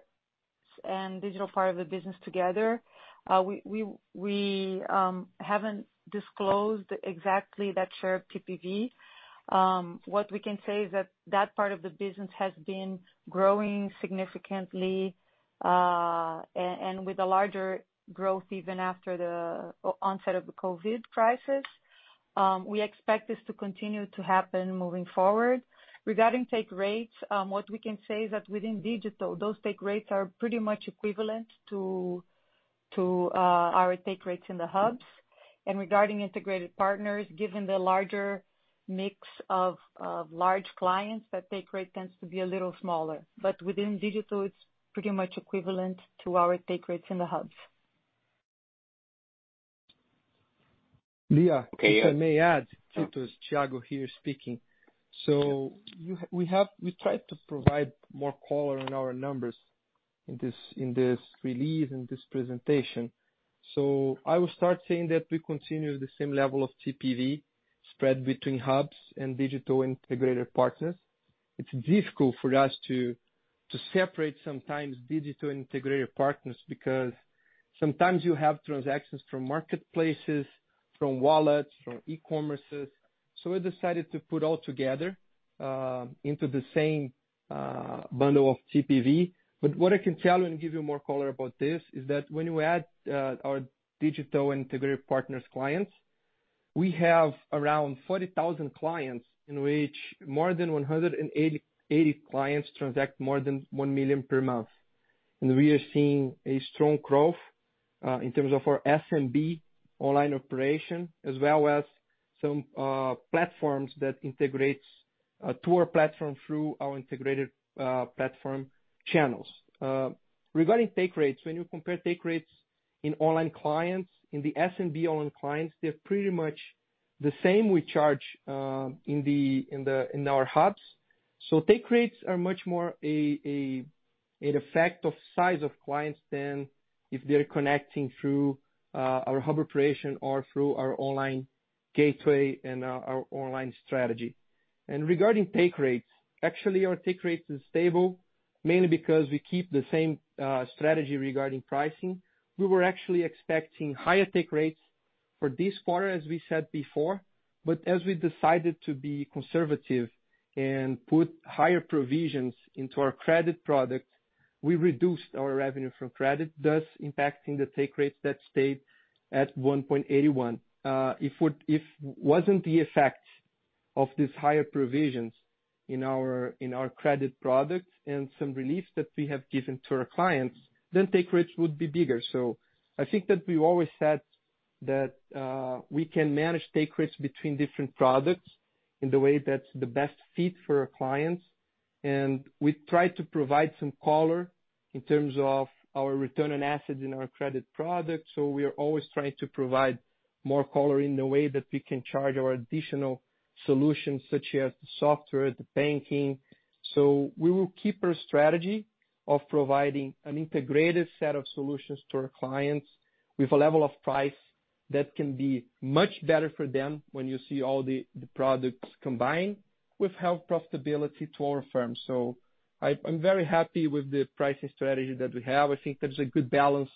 and digital part of the business together. We haven't disclosed exactly that share of TPV. What we can say is that that part of the business has been growing significantly, and with a larger growth even after the onset of the COVID-19 crisis. We expect this to continue to happen moving forward. Regarding take rates, what we can say is that within digital, those take rates are pretty much equivalent to our take rates in the hubs. Regarding integrated partners, given the larger mix of large clients, that take rate tends to be a little smaller. Within digital, it's pretty much equivalent to our take rates in the hubs. Lia, if I may add. Tito, it's Thiago here speaking. We tried to provide more color on our numbers in this release, in this presentation. It's difficult for us to separate sometimes digital integrated partners, because sometimes you have transactions from marketplaces, from wallets, from e-commerces. We decided to put all together into the same bundle of TPV. What I can tell you and give you more color about this is that when you add our digital integrated partners clients, we have around 40,000 clients in which more than 180 clients transact more than 1 million per month. We are seeing a strong growth in terms of our SMB online operation as well as some platforms that integrates to our platform through our integrated platform channels. Regarding take rates, when you compare take rates in online clients, in the SMB online clients, they're pretty much the same we charge in our hubs. Take rates are much more an effect of size of clients than if they're connecting through our hub operation or through our online gateway and our online strategy. Regarding take rates, actually, our take rates is stable, mainly because we keep the same strategy regarding pricing. We were actually expecting higher take rates for this quarter, as we said before, but as we decided to be conservative and put higher provisions into our credit product, we reduced our revenue from credit, thus impacting the take rates that stayed at 1.81%. If it wasn't the effect of these higher provisions in our credit product and some relief that we have given to our clients, then take rates would be bigger. I think that we always said that we can manage take rates between different products in the way that's the best fit for our clients. We try to provide some color in terms of our return on assets in our credit product. We are always trying to provide more color in the way that we can charge our additional solutions, such as the software, the banking. We will keep our strategy of providing an integrated set of solutions to our clients with a level of price that can be much better for them when you see all the products combined with healthy profitability to our firms. I'm very happy with the pricing strategy that we have. I think there's a good balance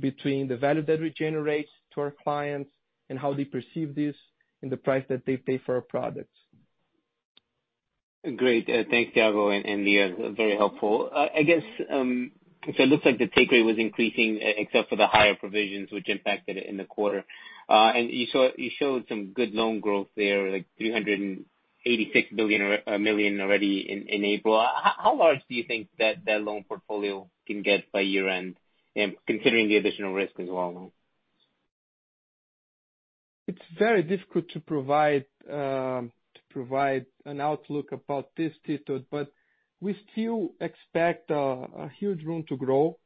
between the value that we generate to our clients and how they perceive this and the price that they pay for our products. Great. Thanks, Thiago and Lia. Very helpful. It looks like the take rate was increasing except for the higher provisions which impacted it in the quarter. You showed some good loan growth there, like 386 million already in April. How large do you think that loan portfolio can get by year-end? Considering the additional risk as well. It's very difficult to provide an outlook about this, Tito. We still expect a huge room to grow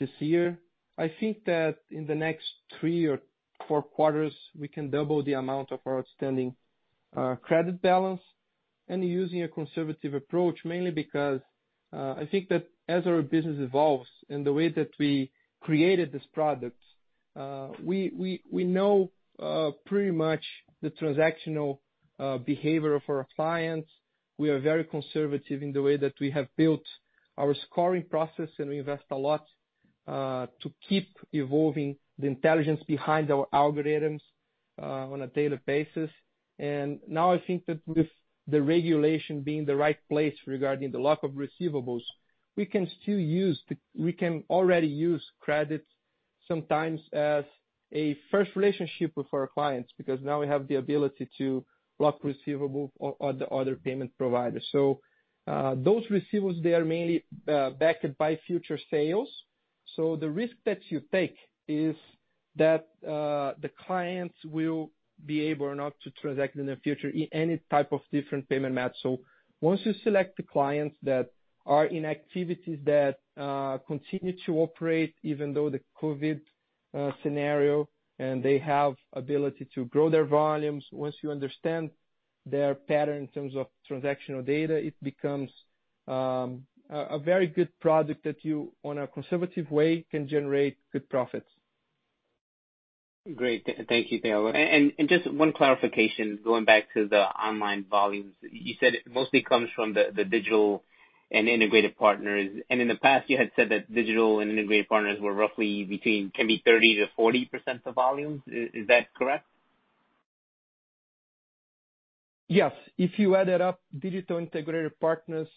this year. I think that in the next three or four quarters, we can double the amount of our outstanding credit balance and using a conservative approach, mainly because I think that as our business evolves and the way that we created this product, we know pretty much the transactional behavior of our clients. We are very conservative in the way that we have built our scoring process. We invest a lot to keep evolving the intelligence behind our algorithms on a daily basis. Now I think that with the regulation being in the right place regarding the lock of receivables, we can already use credit sometimes as a first relationship with our clients, because now we have the ability to block receivable on the other payment providers. Those receivables, they are mainly backed by future sales. The risk that you take is that the clients will be able or not to transact in the future in any type of different payment method. Once you select the clients that are in activities that continue to operate, even though the COVID scenario, and they have ability to grow their volumes, once you understand their pattern in terms of transactional data, it becomes a very good product that you, on a conservative way, can generate good profits. Great. Thank you, Thiago. Just one clarification, going back to the online volumes. You said it mostly comes from the digital and integrated partners. In the past, you had said that digital and integrated partners were roughly between, can be 30%-40% of volumes. Is that correct? Yes. If you add it up, digital integrated partners,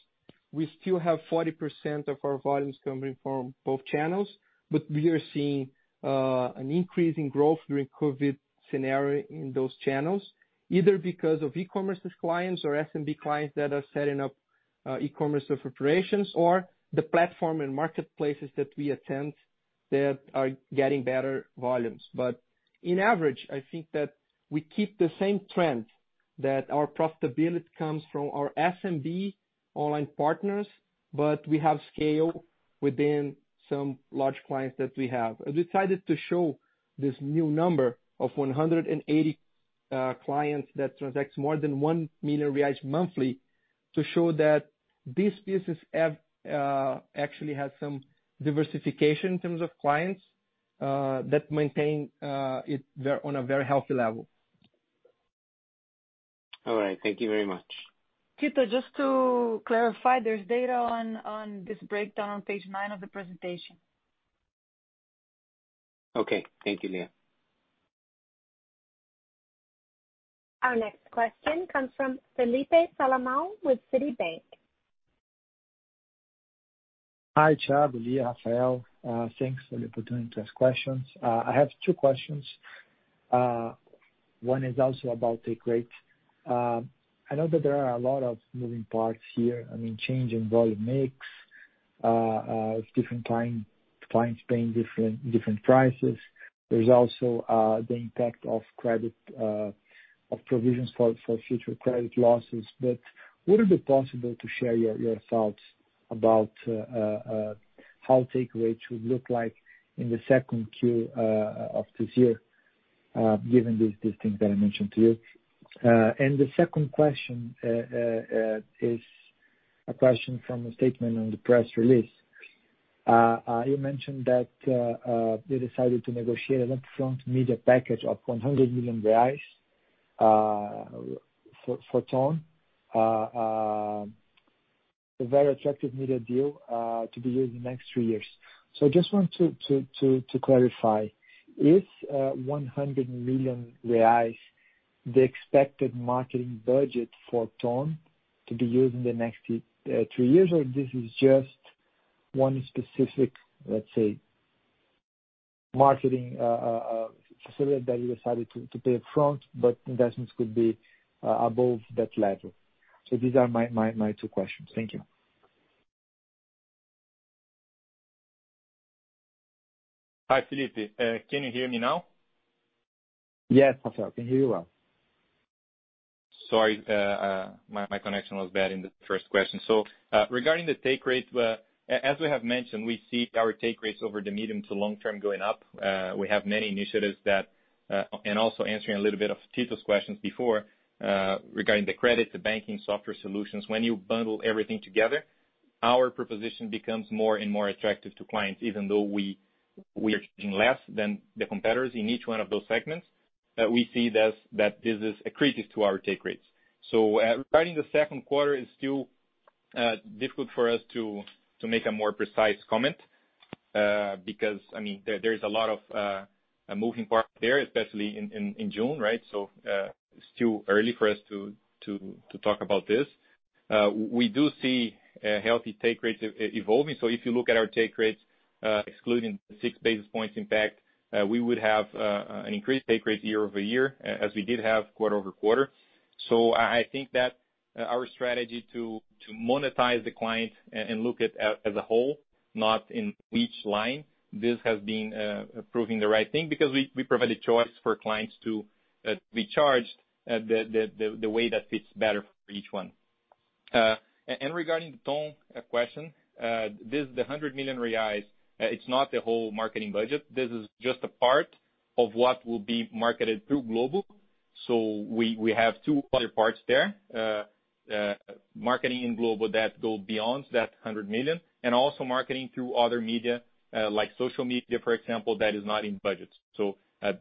we still have 40% of our volumes coming from both channels. We are seeing an increase in growth during COVID scenario in those channels, either because of e-commerce clients or SMB clients that are setting up e-commerce operations or the platform and marketplaces that we attend that are getting better volumes. On average, I think that we keep the same trend, that our profitability comes from our SMB online partners, but we have scale within some large clients that we have. I decided to show this new number of 180 clients that transacts more than 1 million reais monthly to show that this business actually has some diversification in terms of clients that maintain it on a very healthy level. All right. Thank you very much. Tito, just to clarify, there's data on this breakdown on page nine of the presentation. Okay. Thank you, Lia. Our next question comes from Felipe Salomão with Citibank. Hi, Thiago, Lia, Rafael. Thanks for the opportunity to ask questions. I have two questions. One is also about take rate. I know that there are a lot of moving parts here. I mean, change in volume mix, different clients paying different prices. There's also the impact of provisions for future credit losses. Would it be possible to share your thoughts about how take rate should look like in the second Q of this year? Given these things that I mentioned to you. The second question is a question from a statement on the press release. You mentioned that they decided to negotiate an upfront media package of 100 million reais for Ton. A very attractive media deal to be used in the next three years. I just want to clarify, is 100 million reais the expected marketing budget for Ton to be used in the next three years? This is just one specific, let's say, marketing facility that you decided to pay up front, but investments could be above that level? These are my two questions. Thank you. Hi, Felipe. Can you hear me now? Yes, Rafael, I can hear you well. Sorry, my connection was bad in the first question. Regarding the take rate, as we have mentioned, we see our take rates over the medium to long term going up. We have many initiatives that, and also answering a little bit of Tito's questions before regarding the credit, the banking software solutions. When you bundle everything together, our proposition becomes more and more attractive to clients, even though we are charging less than the competitors in each one of those segments. We see this that this is accretive to our take rates. Regarding the second quarter, it's still difficult for us to make a more precise comment, because there is a lot of moving parts there, especially in June, right? It's still early for us to talk about this. We do see healthy take rates evolving. If you look at our take rates excluding the six basis points impact, we would have an increased take rate year-over-year as we did have quarter-over-quarter. I think that our strategy to monetize the client and look at as a whole, not in each line, this has been proving the right thing because we provide a choice for clients to be charged the way that fits better for each one. Regarding the Ton question, this, the 100 million reais, it's not the whole marketing budget. This is just a part of what will be marketed through Globo. We have two other parts there. Marketing in Globo that go beyond that 100 million and also marketing through other media, like social media, for example, that is not in budget.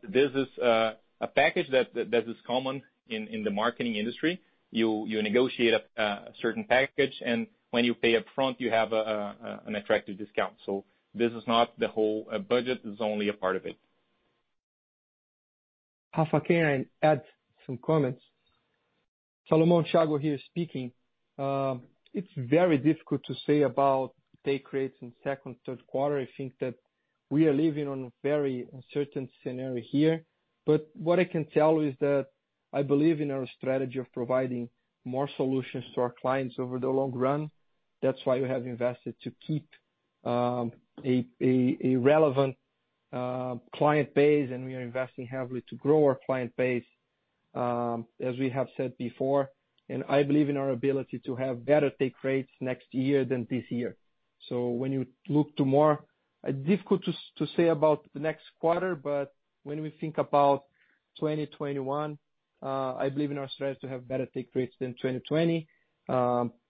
This is a package that is common in the marketing industry. You negotiate a certain package, and when you pay up front, you have an attractive discount. This is not the whole budget. This is only a part of it. Rafael, can I add some comments? Salomão here speaking. It's very difficult to say about take rates in second, third quarter. I think that we are living on a very uncertain scenario here. What I can tell you is that I believe in our strategy of providing more solutions to our clients over the long run. That's why we have invested to keep a relevant client base, and we are investing heavily to grow our client base, as we have said before. I believe in our ability to have better take rates next year than this year. When you look to more, difficult to say about the next quarter. When we think about 2021, I believe in our strategy to have better take rates than 2020,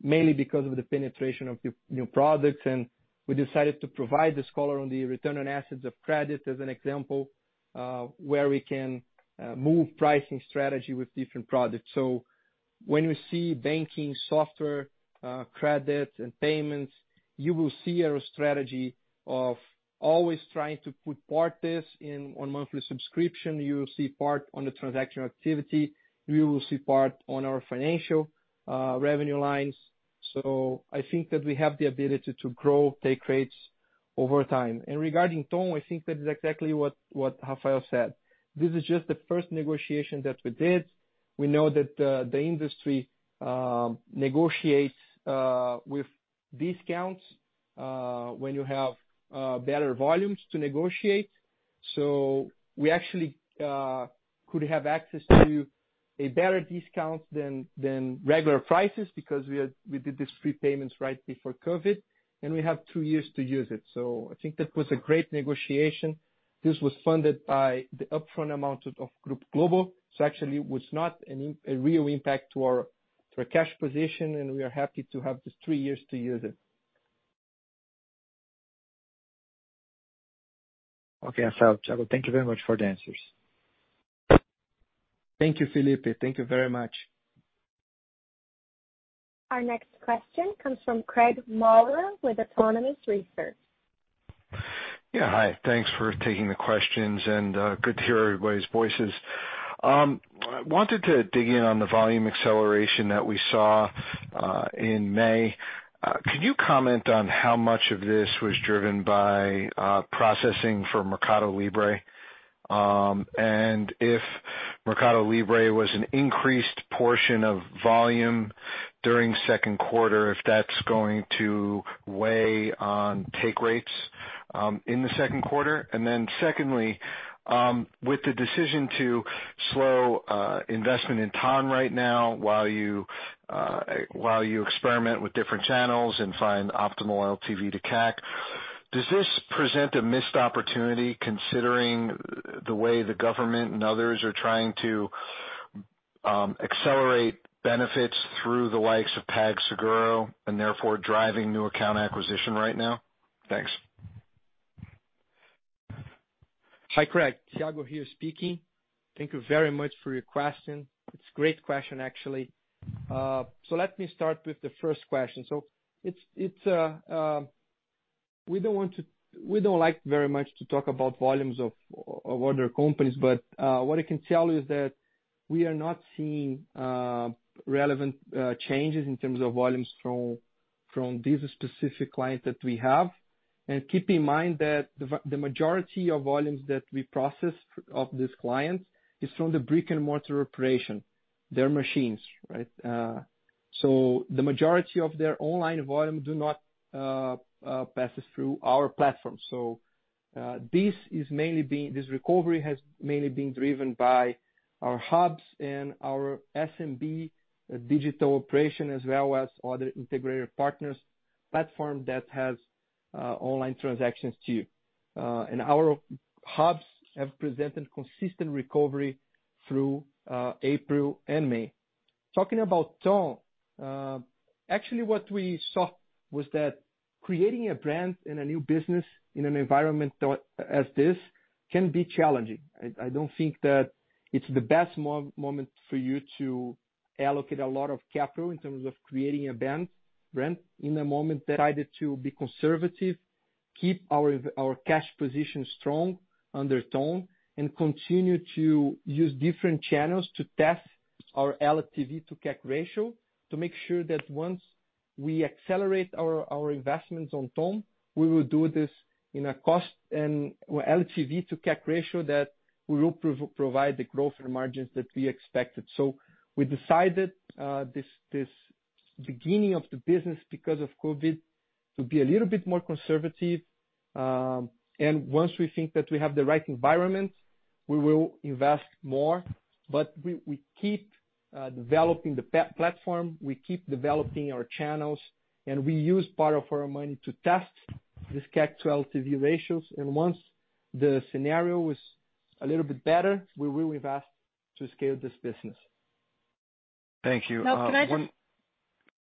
mainly because of the penetration of new products. We decided to provide this color on the return on assets of credit as an example, where we can move pricing strategy with different products. When you see banking software, credit, and payments, you will see our strategy of always trying to put part of this on monthly subscription. You will see part on the transactional activity. You will see part on our financial revenue lines. I think that we have the ability to grow take rates over time. Regarding Ton, I think that is exactly what Rafael said. This is just the first negotiation that we did. We know that the industry negotiates with discounts when you have better volumes to negotiate. We actually could have access to a better discount than regular prices because we did these prepayments right before COVID, and we have two years to use it. I think that was a great negotiation. This was funded by the upfront amount of Grupo Globo. Actually, it was not a real impact to our cash position, and we are happy to have these three years to use it. Okay, Rafael, Thiago, thank you very much for the answers. Thank you, Felipe. Thank you very much. Our next question comes from Craig Maurer with Autonomous Research. Yeah, hi. Thanks for taking the questions and good to hear everybody's voices. I wanted to dig in on the volume acceleration that we saw in May. Could you comment on how much of this was driven by processing for Mercado Livre? If Mercado Livre was an increased portion of volume during second quarter, if that's going to weigh on take rates in the second quarter. Secondly, with the decision to slow investment in Ton right now while you experiment with different channels and find optimal LTV to CAC. Does this present a missed opportunity considering the way the government and others are trying to accelerate benefits through the likes of PagSeguro, and therefore driving new account acquisition right now? Thanks. Hi, Craig. Thiago here speaking. Thank you very much for your question. It's great question, actually. Let me start with the first question. We don't like very much to talk about volumes of other companies, what I can tell you is that we are not seeing relevant changes in terms of volumes from this specific client that we have. Keep in mind that the majority of volumes that we process of this client is from the brick and mortar operation, their machines. The majority of their online volume do not pass through our platform. This recovery has mainly been driven by our hubs and our SMB digital operation, as well as other integrated partners platform that has online transactions too. Our hubs have presented consistent recovery through April and May. Talking about Ton, actually what we saw was that creating a brand and a new business in an environment as this can be challenging. I don't think that it's the best moment for you to allocate a lot of capital in terms of creating a brand in the moment. Decided to be conservative, keep our cash position strong under Ton, and continue to use different channels to test our LTV to CAC ratio to make sure that once we accelerate our investments on Ton, we will do this in a cost and LTV to CAC ratio that will provide the growth and margins that we expected. We decided, this beginning of the business, because of COVID-19, to be a little bit more conservative. Once we think that we have the right environment, we will invest more. We keep developing the platform, we keep developing our channels, and we use part of our money to test these CAC to LTV ratios. Once the scenario is a little bit better, we will invest to scale this business. Thank you. Can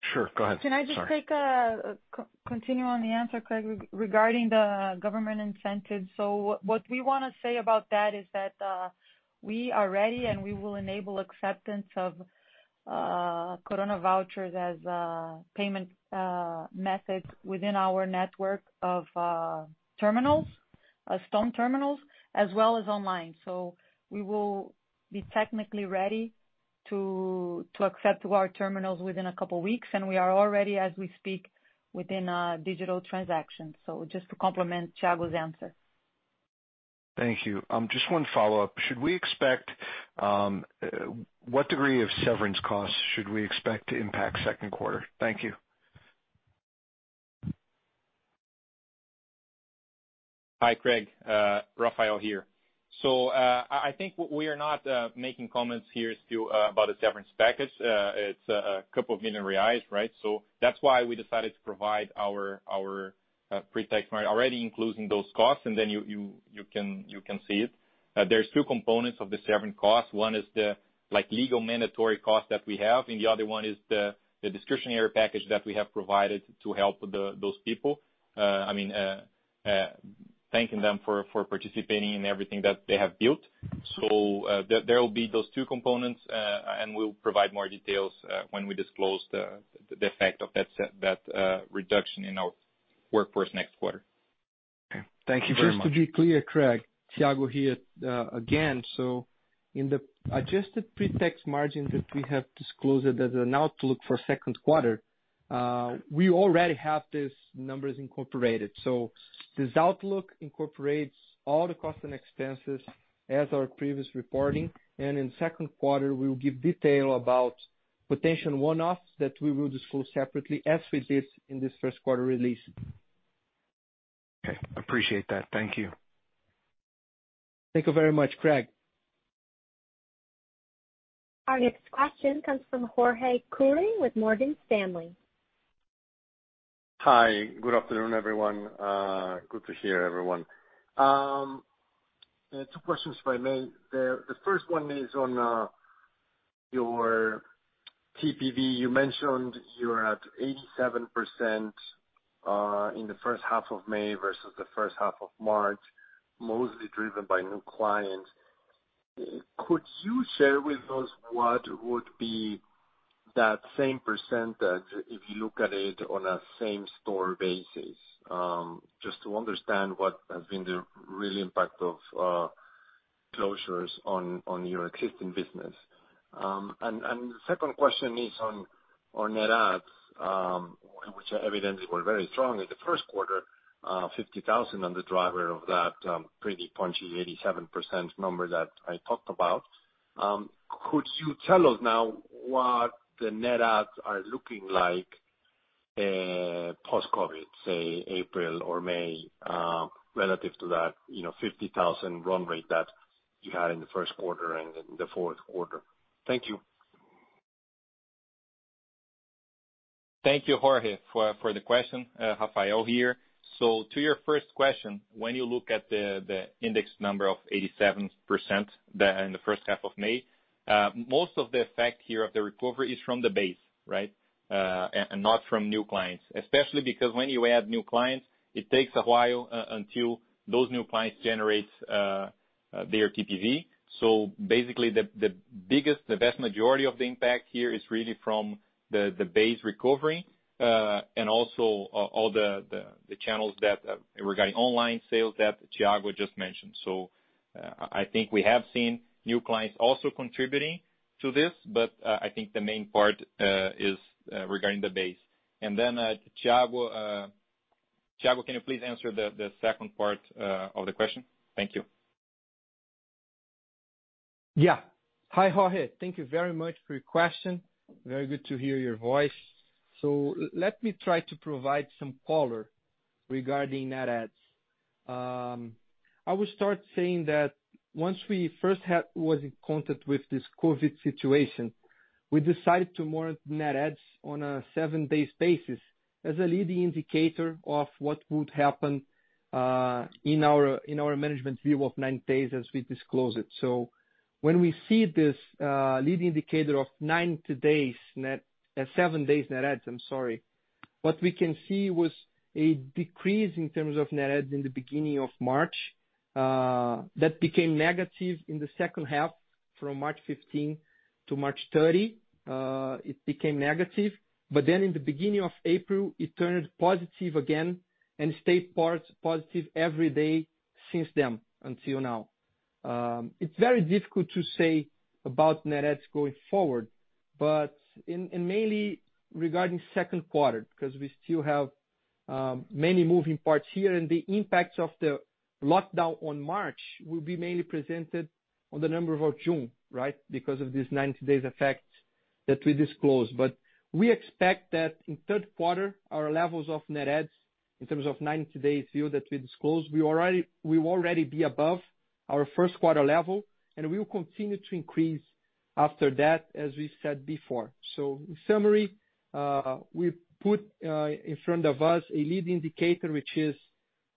I just. Sure, go ahead. Sorry. Can I just continue on the answer, Craig, regarding the government incentive? What we want to say about that is that we are ready, and we will enable acceptance of Coronavoucher as a payment method within our network of Stone terminals, as well as online. We will be technically ready to accept to our terminals within a couple of weeks, and we are all ready as we speak within digital transactions. Just to complement Thiago's answer. Thank you. Just one follow-up. What degree of severance costs should we expect to impact second quarter? Thank you. Hi, Craig. Rafael here. I think we are not making comments here still about the severance package. It's a couple of million BRL. That's why we decided to provide our pre-tax margin already including those costs, and then you can see it. There's two components of the severance cost. One is the legal mandatory cost that we have, and the other one is the discretionary package that we have provided to help those people. Thanking them for participating in everything that they have built. There will be those two components, and we'll provide more details, when we disclose the effect of that reduction in our workforce next quarter. Okay. Thank you very much. Just to be clear, Craig, Thiago here again. In the adjusted pre-tax margin that we have disclosed as an outlook for second quarter, we already have these numbers incorporated. This outlook incorporates all the cost and expenses as our previous reporting. In second quarter, we will give detail about potential one-offs that we will disclose separately as we did in this first quarter release. Okay. Appreciate that. Thank you. Thank you very much, Craig. Our next question comes from Jorge Kuri with Morgan Stanley. Hi. Good afternoon, everyone. Good to hear everyone. Two questions, if I may. The first one is on your TPV. You mentioned you're at 87% in the first half of May versus the first half of March, mostly driven by new clients. Could you share with us what would be that same percentage if you look at it on a same-store basis? Just to understand what has been the real impact of closures on your existing business. The second question is on net adds, which evidently were very strong in the first quarter, 50,000 on the driver of that pretty punchy 87% number that I talked about. Could you tell us now what the net adds are looking like post-COVID-19, say April or May, relative to that 50,000 run rate that you had in the first quarter and in the fourth quarter? Thank you. Thank you, Jorge, for the question. Rafael here. To your first question, when you look at the index number of 87% in the first half of May, most of the effect here of the recovery is from the base, right? Not from new clients. Especially because when you add new clients, it takes a while until those new clients generate their TPV. Basically the vast majority of the impact here is really from the base recovery, and also all the channels regarding online sales that Thiago just mentioned. I think we have seen new clients also contributing to this, but I think the main part is regarding the base. Thiago, can you please answer the second part of the question? Thank you. Hi, Jorge. Thank you very much for your question. Very good to hear your voice. Let me try to provide some color regarding net adds. I will start saying that once we first was in contact with this COVID situation, we decided to monitor net adds on a seven days basis as a leading indicator of what would happen in our management view of 90 days as we disclose it. When we see this lead indicator of seven days net adds, I'm sorry. What we can see was a decrease in terms of net adds in the beginning of March, that became negative in the second half from March 15 to March 30. It became negative. In the beginning of April, it turned positive again and stayed positive every day since then until now. It is very difficult to say about net adds going forward, but mainly regarding second quarter, because we still have many moving parts here and the impacts of the lockdown on March will be mainly presented on the number of June, right? Of this 90 days effect that we disclosed. We expect that in third quarter, our levels of net adds, in terms of 90-days view that we disclosed, we will already be above our first quarter level, and we will continue to increase after that, as we said before. In summary, we put in front of us a lead indicator, which is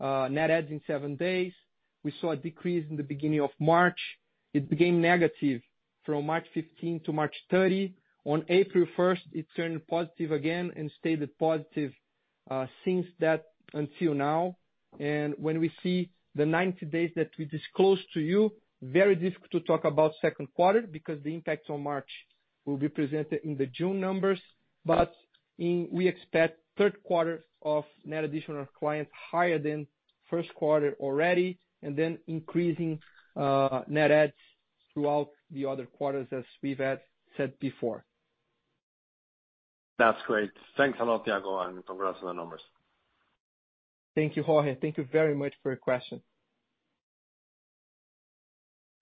net adds in seven days. We saw a decrease in the beginning of March. It became negative from March 15 to March 30. On April 1st, it turned positive again and stayed at positive since that until now. When we see the 90 days that we disclose to you, very difficult to talk about second quarter because the impacts on March will be presented in the June numbers. We expect third quarter of net additional clients higher than first quarter already, and then increasing net adds throughout the other quarters as we've said before. That's great. Thanks a lot, Thiago, and congrats on the numbers. Thank you, Jorge. Thank you very much for your question.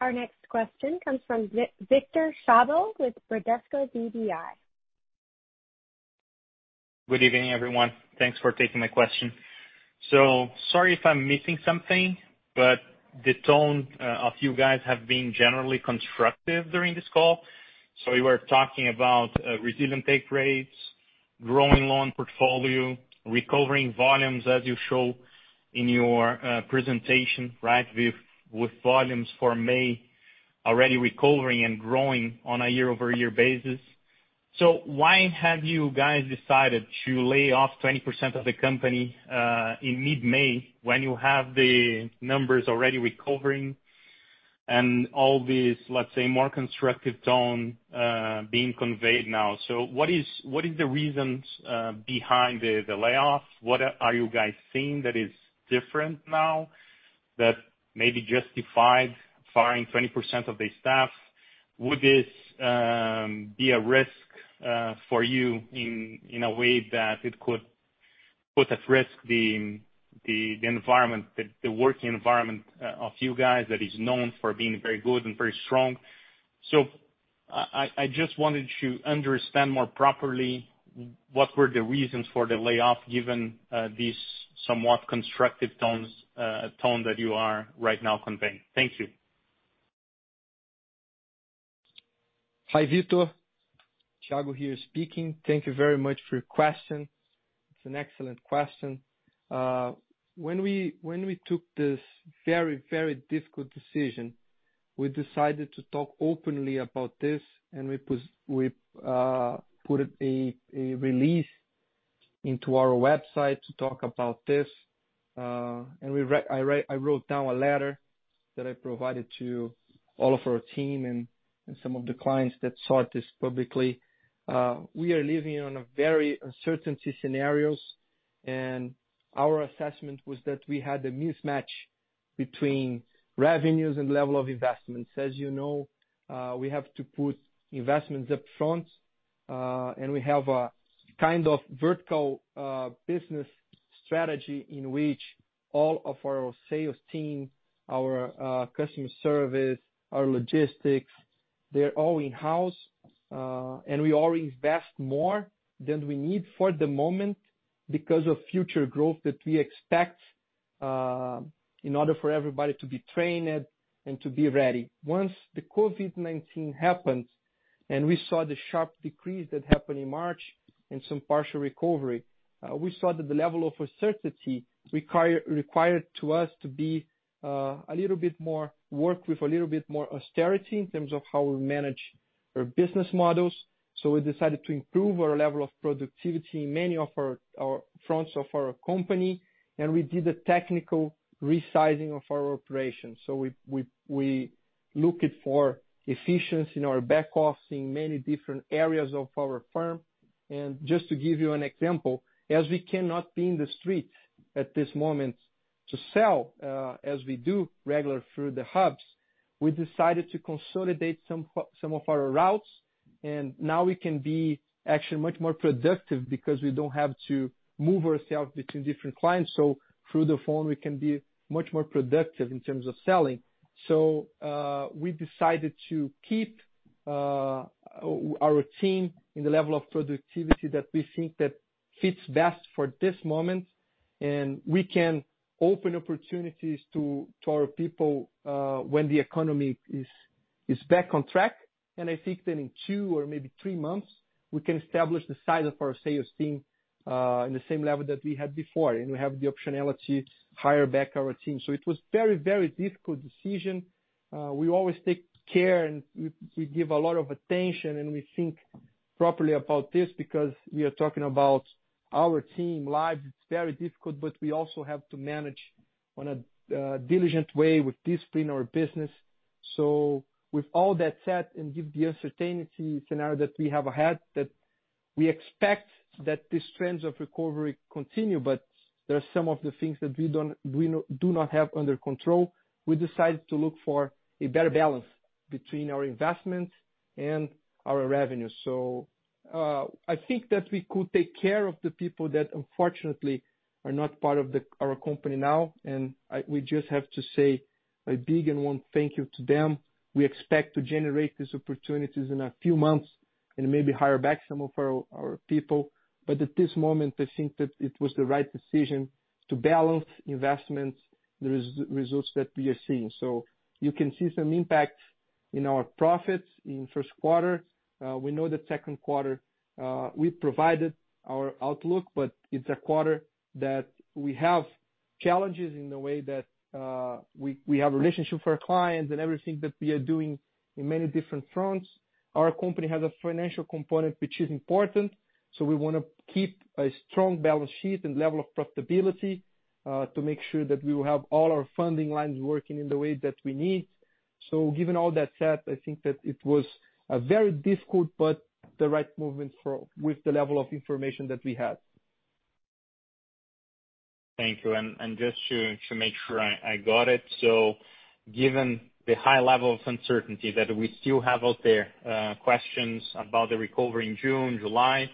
Our next question comes from Victor Schabbel with Bradesco BBI. Good evening, everyone. Thanks for taking my question. Sorry if I'm missing something, but the tone of you guys have been generally constructive during this call. You were talking about resilient take rates, growing loan portfolio, recovering volumes as you show in your presentation, right? With volumes for May already recovering and growing on a year-over-year basis. Why have you guys decided to lay off 20% of the company in mid-May when you have the numbers already recovering and all this, let's say, more constructive tone being conveyed now. What is the reasons behind the layoffs? What are you guys seeing that is different now that maybe justified firing 20% of the staff? Would this be a risk for you in a way that it could put at risk the working environment of you guys that is known for being very good and very strong? I just wanted to understand more properly what were the reasons for the layoff, given these somewhat constructive tone that you are right now conveying. Thank you. Hi, Victor. Thiago here speaking. Thank you very much for your question. It's an excellent question. When we took this very difficult decision, we decided to talk openly about this, and we put a release into our website to talk about this. I wrote down a letter that I provided to all of our team and some of the clients that saw this publicly. We are living on a very uncertainty scenarios, and our assessment was that we had a mismatch between revenues and level of investments. As you know, we have to put investments up front, and we have a kind of vertical business strategy in which all of our sales team, our customer service, our logistics, they're all in-house. We all invest more than we need for the moment because of future growth that we expect. In order for everybody to be trained and to be ready. Once the COVID-19 happened, and we saw the sharp decrease that happened in March and some partial recovery, we saw that the level of uncertainty required us to work with a little bit more austerity in terms of how we manage our business models. We decided to improve our level of productivity in many of our fronts of our company, and we did a technical resizing of our operations. We looked for efficiency in our back office in many different areas of our firm. Just to give you an example, as we cannot be in the street at this moment to sell as we do regular through the hubs, we decided to consolidate some of our routes, and now we can be actually much more productive because we don't have to move ourselves between different clients. Through the phone, we can be much more productive in terms of selling. We decided to keep our team in the level of productivity that we think that fits best for this moment. We can open opportunities to our people when the economy is back on track. I think that in two or maybe three months, we can establish the size of our sales team in the same level that we had before. We have the optionality to hire back our team. It was very difficult decision. We always take care, and we give a lot of attention, and we think properly about this because we are talking about our team lives. It's very difficult, but we also have to manage on a diligent way with discipline our business. With all that said, and give the uncertainty scenario that we have had, that we expect that these trends of recovery continue, but there are some of the things that we do not have under control. We decided to look for a better balance between our investment and our revenue. We just have to say a big and warm thank you to them. We expect to generate these opportunities in a few months and maybe hire back some of our people. At this moment, I think that it was the right decision to balance investment, the results that we are seeing. You can see some impact in our profits in first quarter. We know that second quarter, we provided our outlook, but it's a quarter that we have challenges in the way that we have relationship with our clients and everything that we are doing in many different fronts. Our company has a financial component, which is important. We want to keep a strong balance sheet and level of profitability to make sure that we will have all our funding lines working in the way that we need. Given all that said, I think that it was a very difficult but the right movement with the level of information that we had. Thank you. Just to make sure I got it. Given the high level of uncertainty that we still have out there, questions about the recovery in June, July,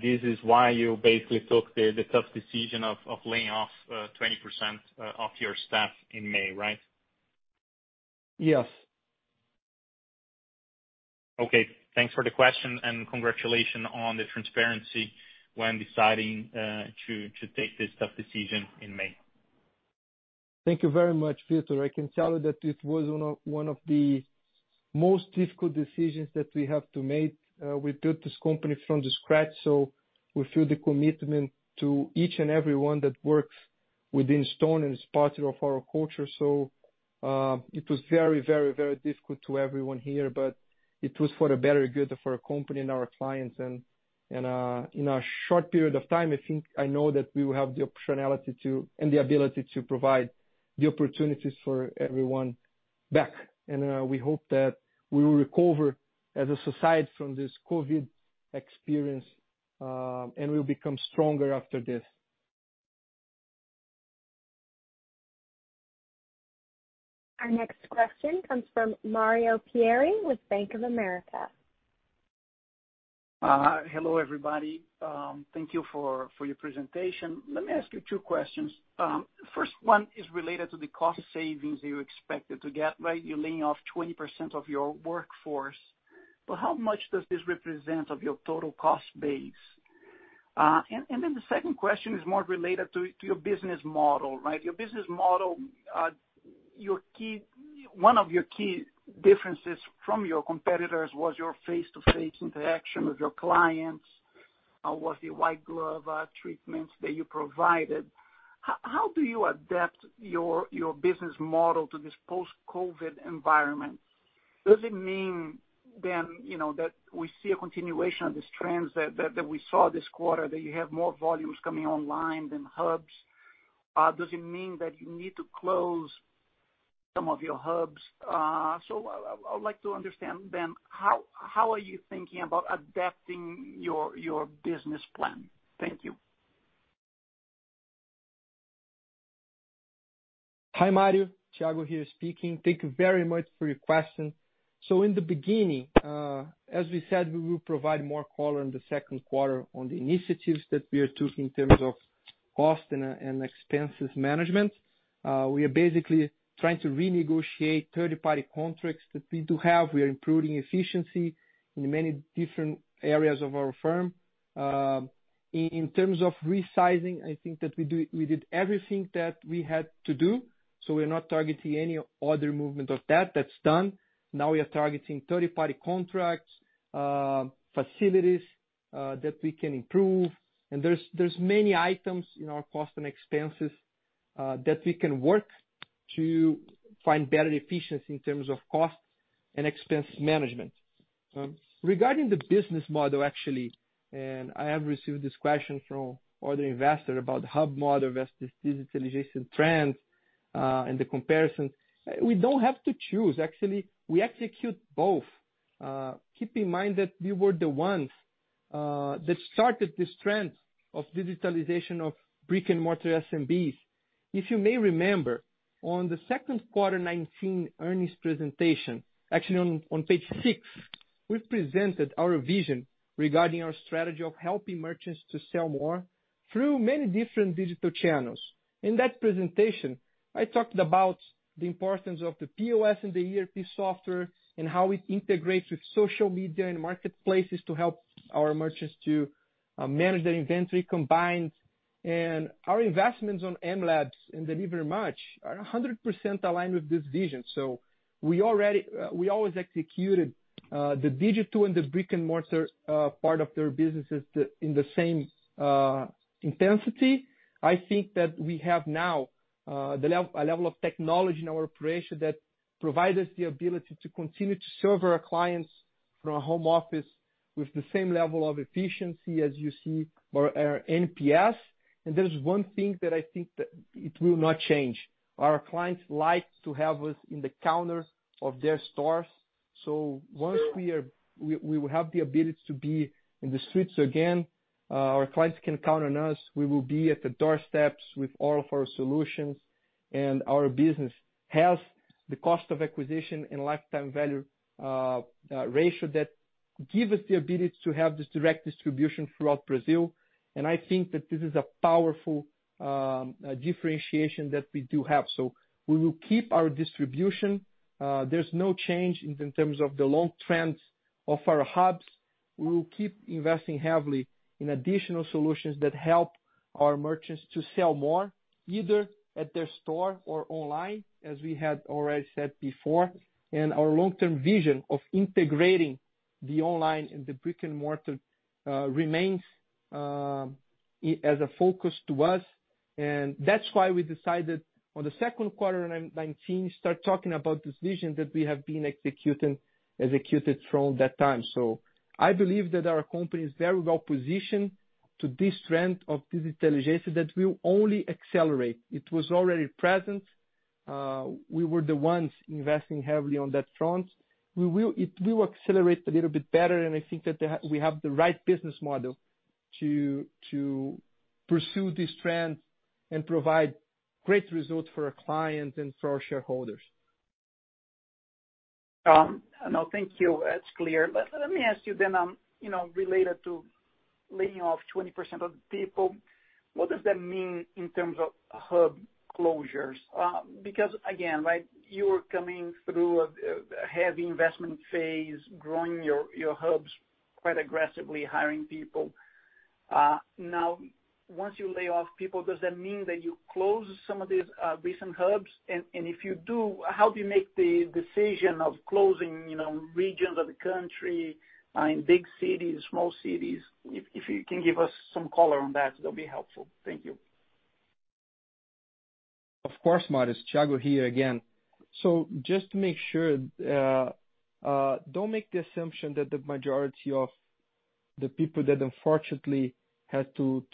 this is why you basically took the tough decision of laying off 20% of your staff in May, right? Yes. Okay. Thanks for the question and congratulations on the transparency when deciding to take this tough decision in May. Thank you very much, Victor. I can tell you that it was one of the most difficult decisions that we have to make. We built this company from scratch, so we feel the commitment to each and everyone that works within Stone. It's part of our culture. It was very difficult to everyone here, but it was for the better good for our company and our clients. In a short period of time, I think I know that we will have the optionality and the ability to provide the opportunities for everyone back. We hope that we will recover as a society from this COVID experience, and we'll become stronger after this. Our next question comes from Mario Pierry with Bank of America. Hello, everybody. Thank you for your presentation. Let me ask you two questions. First one is related to the cost savings you expected to get, right? You're laying off 20% of your workforce. How much does this represent of your total cost base? The second question is more related to your business model, right? Your business model, one of your key differences from your competitors was your face-to-face interaction with your clients, was the white glove treatments that you provided. How do you adapt your business model to this post-COVID environment? Does it mean that we see a continuation of this trend that we saw this quarter, that you have more volumes coming online than hubs? Does it mean that you need to close some of your hubs? I would like to understand how are you thinking about adapting your business plan? Thank you. Hi, Mario. Thiago here speaking. Thank you very much for your question. In the beginning, as we said, we will provide more color in the second quarter on the initiatives that we are taking in terms of cost and expenses management. We are basically trying to renegotiate third-party contracts that we do have. We are improving efficiency in many different areas of our firm. In terms of resizing, I think that we did everything that we had to do, so we're not targeting any other movement of that. That's done. Now we are targeting third-party contracts, facilities that we can improve. There's many items in our cost and expenses that we can work to find better efficiency in terms of cost and expense management. Regarding the business model, actually, I have received this question from other investors about hub model versus digitalization trends and the comparison. We don't have to choose, actually, we execute both. Keep in mind that we were the ones that started this trend of digitalization of brick and mortar SMBs. If you may remember, on the second quarter 2019 earnings presentation, actually on page six, we presented our vision regarding our strategy of helping merchants to sell more through many different digital channels. In that presentation, I talked about the importance of the POS and the ERP software and how it integrates with social media and marketplaces to help our merchants to manage their inventory combined. Our investments on mLabs and Delivery Much are 100% aligned with this vision. We always executed the digital and the brick-and-mortar part of their businesses in the same intensity. I think that we have now a level of technology in our operation that provides us the ability to continue to serve our clients from a home office with the same level of efficiency as you see our NPS. There's one thing that I think that it will not change. Our clients like to have us in the counters of their stores. Once we will have the ability to be in the streets again our clients can count on us. We will be at the doorsteps with all of our solutions, and our business has the cost of acquisition and lifetime value ratio that give us the ability to have this direct distribution throughout Brazil. I think that this is a powerful differentiation that we do have. We will keep our distribution. There's no change in terms of the long trends of our hubs. We will keep investing heavily in additional solutions that help our merchants to sell more, either at their store or online, as we had already said before. Our long-term vision of integrating the online and the brick and mortar remains as a focus to us. That's why we decided on the second quarter of 2019 to start talking about this vision that we have been executing from that time. I believe that our company is very well positioned to this trend of digitalization that will only accelerate. It was already present. We were the ones investing heavily on that front. It will accelerate a little bit better, and I think that we have the right business model to pursue these trends and provide great results for our clients and for our shareholders. No, thank you. That's clear. Let me ask you, related to laying off 20% of the people, what does that mean in terms of hub closures? Again, you're coming through a heavy investment phase, growing your hubs quite aggressively, hiring people. Once you lay off people, does that mean that you close some of these recent hubs? If you do, how do you make the decision of closing regions of the country, in big cities, small cities? If you can give us some color on that'd be helpful. Thank you. Of course, Mario. Thiago here again. Just to make sure, don't make the assumption that the majority of the people that unfortunately had to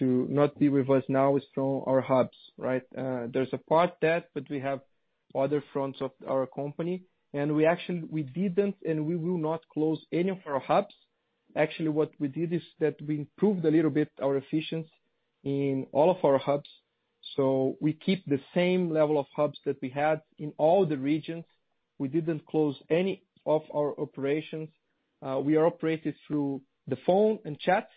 not be with us now is from our hubs, right? There's a part of that, we have other fronts of our company, we actually didn't, and we will not close any of our hubs. Actually, what we did is that we improved a little bit our efficiency in all of our hubs. We keep the same level of hubs that we had in all the regions. We didn't close any of our operations. We are operating through the phone and chat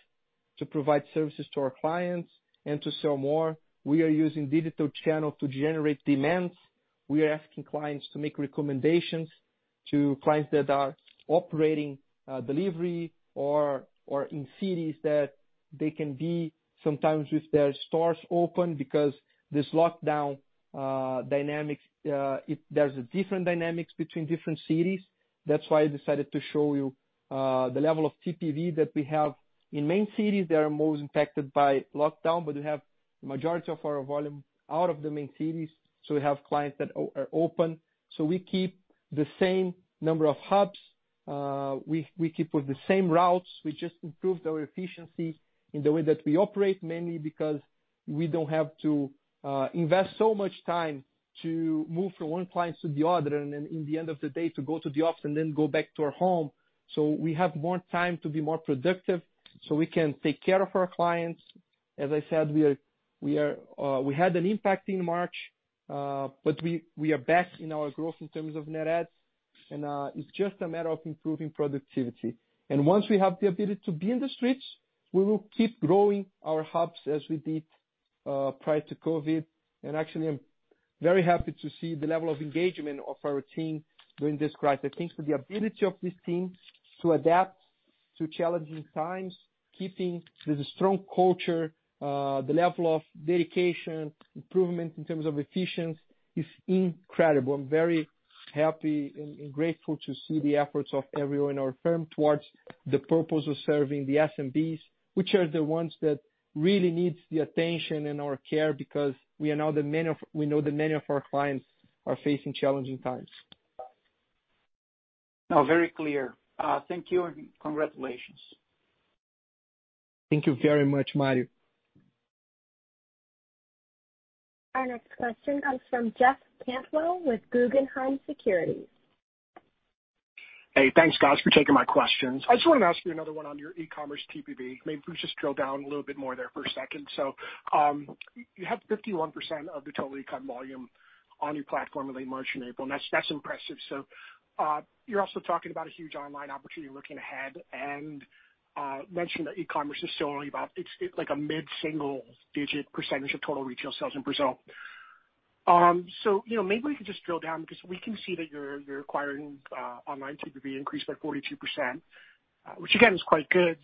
to provide services to our clients and to sell more. We are using digital channel to generate demands. We are asking clients to make recommendations to clients that are operating delivery or in cities that they can be sometimes with their stores open because this lockdown dynamics, there's a different dynamic between different cities. That's why I decided to show you the level of TPV that we have in main cities that are most impacted by lockdown, but we have majority of our volume out of the main cities. We have clients that are open. We keep the same number of hubs. We keep the same routes. We just improved our efficiency in the way that we operate, mainly because we don't have to invest so much time to move from one client to the other, and then at the end of the day to go to the office and then go back to our home. We have more time to be more productive so we can take care of our clients. As I said, we had an impact in March, but we are back in our growth in terms of net adds. It's just a matter of improving productivity. Once we have the ability to be in the streets, we will keep growing our hubs as we did prior to COVID. Actually, I'm very happy to see the level of engagement of our team during this crisis. I think the ability of this team to adapt to challenging times, keeping the strong culture, the level of dedication, improvement in terms of efficiency is incredible. I'm very happy and grateful to see the efforts of everyone in our firm towards the purpose of serving the SMBs, which are the ones that really needs the attention and our care because we know that many of our clients are facing challenging times. No, very clear. Thank you, and congratulations. Thank you very much, Mario. Our next question comes from Jeff Cantwell with Guggenheim Securities. Hey, thanks, guys, for taking my questions. I just wanted to ask you another one on your e-commerce TPV. Maybe if we just drill down a little bit more there for a second. You have 51% of the total e-com volume on your platform in late March and April, and that's impressive. You're also talking about a huge online opportunity looking ahead and mentioned that e-commerce is still only about, it's like a mid-single digit % of total retail sales in Brazil. Maybe we could just drill down because we can see that you're acquiring online TPV increase by 42%, which, again, is quite good.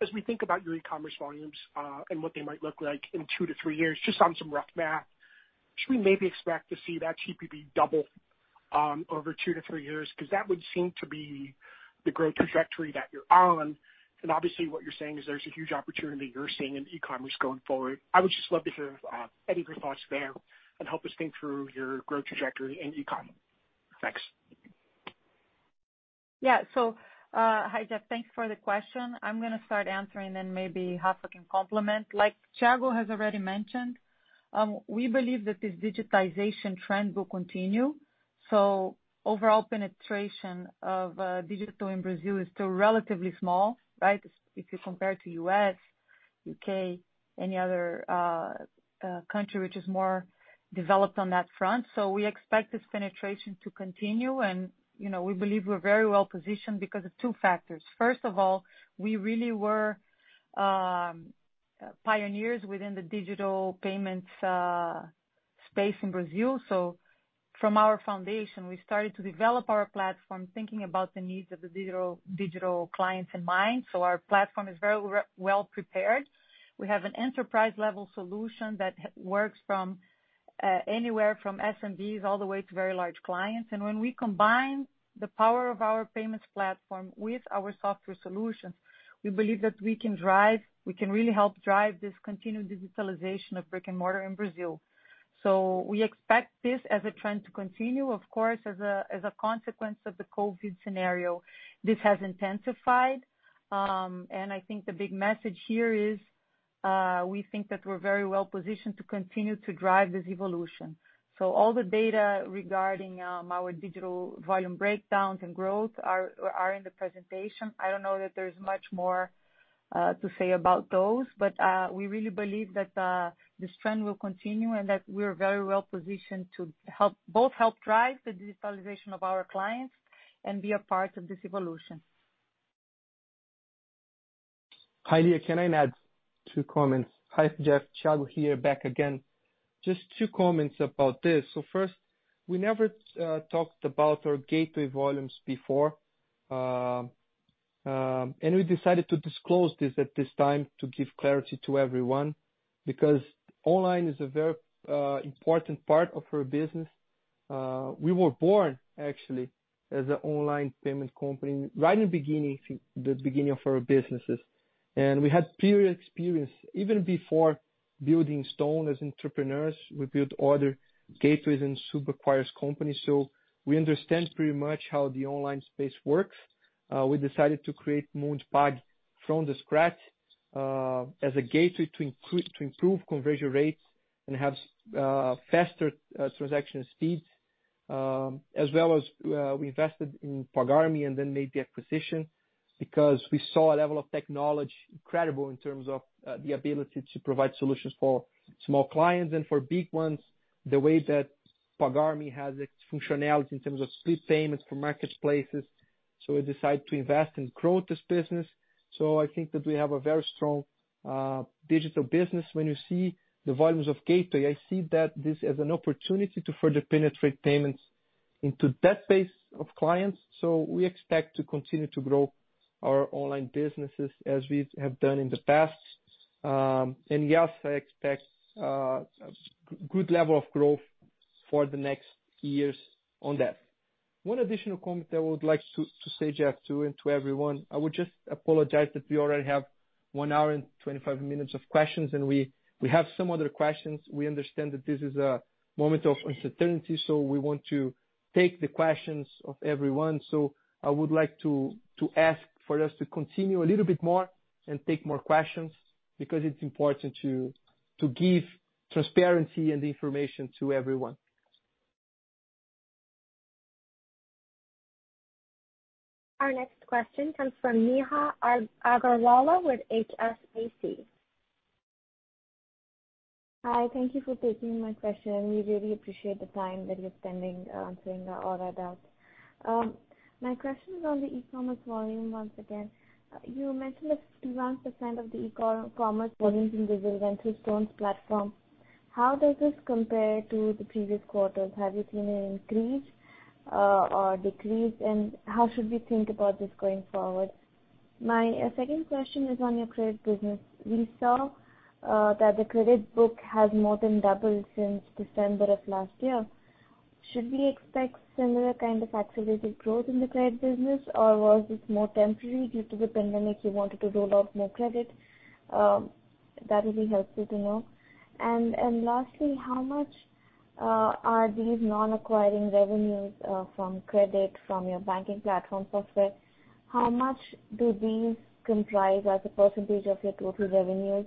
As we think about your e-commerce volumes, and what they might look like in two to three years, just on some rough math, should we maybe expect to see that TPV double over two to three years? Because that would seem to be the growth trajectory that you're on. Obviously what you're saying is there's a huge opportunity you're seeing in e-commerce going forward. I would just love to hear Eddie, your thoughts there and help us think through your growth trajectory in e-com. Thanks. Yeah. Hi Jeff. Thanks for the question. I'm going to start answering then maybe Rafa can complement. Thiago has already mentioned, we believe that this digitization trend will continue. Overall penetration of digital in Brazil is still relatively small, right? If you compare to U.S., U.K., any other country which is more developed on that front. We expect this penetration to continue and we believe we're very well positioned because of two factors. First of all, we really were pioneers within the digital payments space in Brazil. From our foundation, we started to develop our platform thinking about the needs of the digital clients in mind. Our platform is very well prepared. We have an enterprise-level solution that works from anywhere from SMBs all the way to very large clients. When we combine the power of our payments platform with our software solutions, we believe that we can really help drive this continued digitalization of brick and mortar in Brazil. We expect this as a trend to continue, of course, as a consequence of the COVID scenario. This has intensified. I think the big message here is, we think that we're very well positioned to continue to drive this evolution. All the data regarding our digital volume breakdowns and growth are in the presentation. I don't know that there's much more to say about those. We really believe that this trend will continue and that we're very well positioned to both help drive the digitalization of our clients and be a part of this evolution. Hi there. Can I add two comments? Hi, Jeff. Thiago here, back again. Just two comments about this. First, we never talked about our gateway volumes before. We decided to disclose this at this time to give clarity to everyone, because online is a very important part of our business. We were born actually as an online payment company right in the beginning of our businesses. We had prior experience even before building Stone as entrepreneurs. We built other gateways and sub-acquirer company. We understand pretty much how the online space works. We decided to create Mundipagg from scratch as a gateway to improve conversion rates and have faster transaction speeds. We invested in Pagar.me and then made the acquisition because we saw a level of technology incredible in terms of the ability to provide solutions for small clients and for big ones. The way that Pagar.me has its functionality in terms of split payments for marketplaces. We decide to invest and grow this business. I think that we have a very strong digital business. When you see the volumes of gateway, I see that this as an opportunity to further penetrate payments into that base of clients. We expect to continue to grow our online businesses as we have done in the past. Yes, I expect a good level of growth for the next years on that. One additional comment I would like to say, Jeff, too, and to everyone, I would just apologize that we already have one hour and 25 minutes of questions, and we have some other questions. We understand that this is a moment of uncertainty, we want to take the questions of everyone. I would like to ask for us to continue a little bit more and take more questions because it's important to give transparency and information to everyone. Our next question comes from Neha Agarwala with HSBC. Hi, thank you for taking my question. We really appreciate the time that you're spending answering all our doubts. My question is on the e-commerce volume once again. You mentioned that 51% of the e-commerce volumes in Brazil went through Stone's platform. How does this compare to the previous quarters? Have you seen an increase or decrease, and how should we think about this going forward? My second question is on your credit business. We saw that the credit book has more than doubled since December of last year. Should we expect similar kind of accelerated growth in the credit business, or was this more temporary due to the pandemic, you wanted to roll out more credit? That would be helpful to know. Lastly, how much are these non-acquiring revenues from credit from your banking platform software? How much do these comprise as a percentage of your total revenues,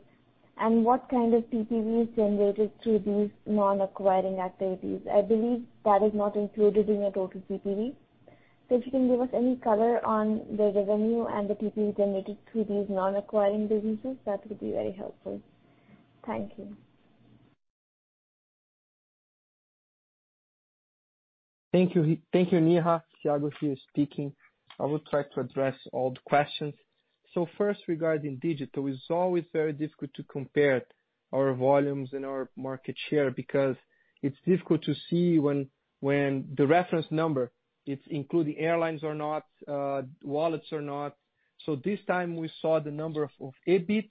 and what kind of TPV is generated through these non-acquiring activities? I believe that is not included in your total TPV. If you can give us any color on the revenue and the TPV generated through these non-acquiring businesses, that would be very helpful. Thank you. Thank you, Neha. Thiago here speaking. I will try to address all the questions. First, regarding digital, it's always very difficult to compare our volumes and our market share because it's difficult to see when the reference number, it's including airlines or not, wallets or not. This time we saw the number of Ebit,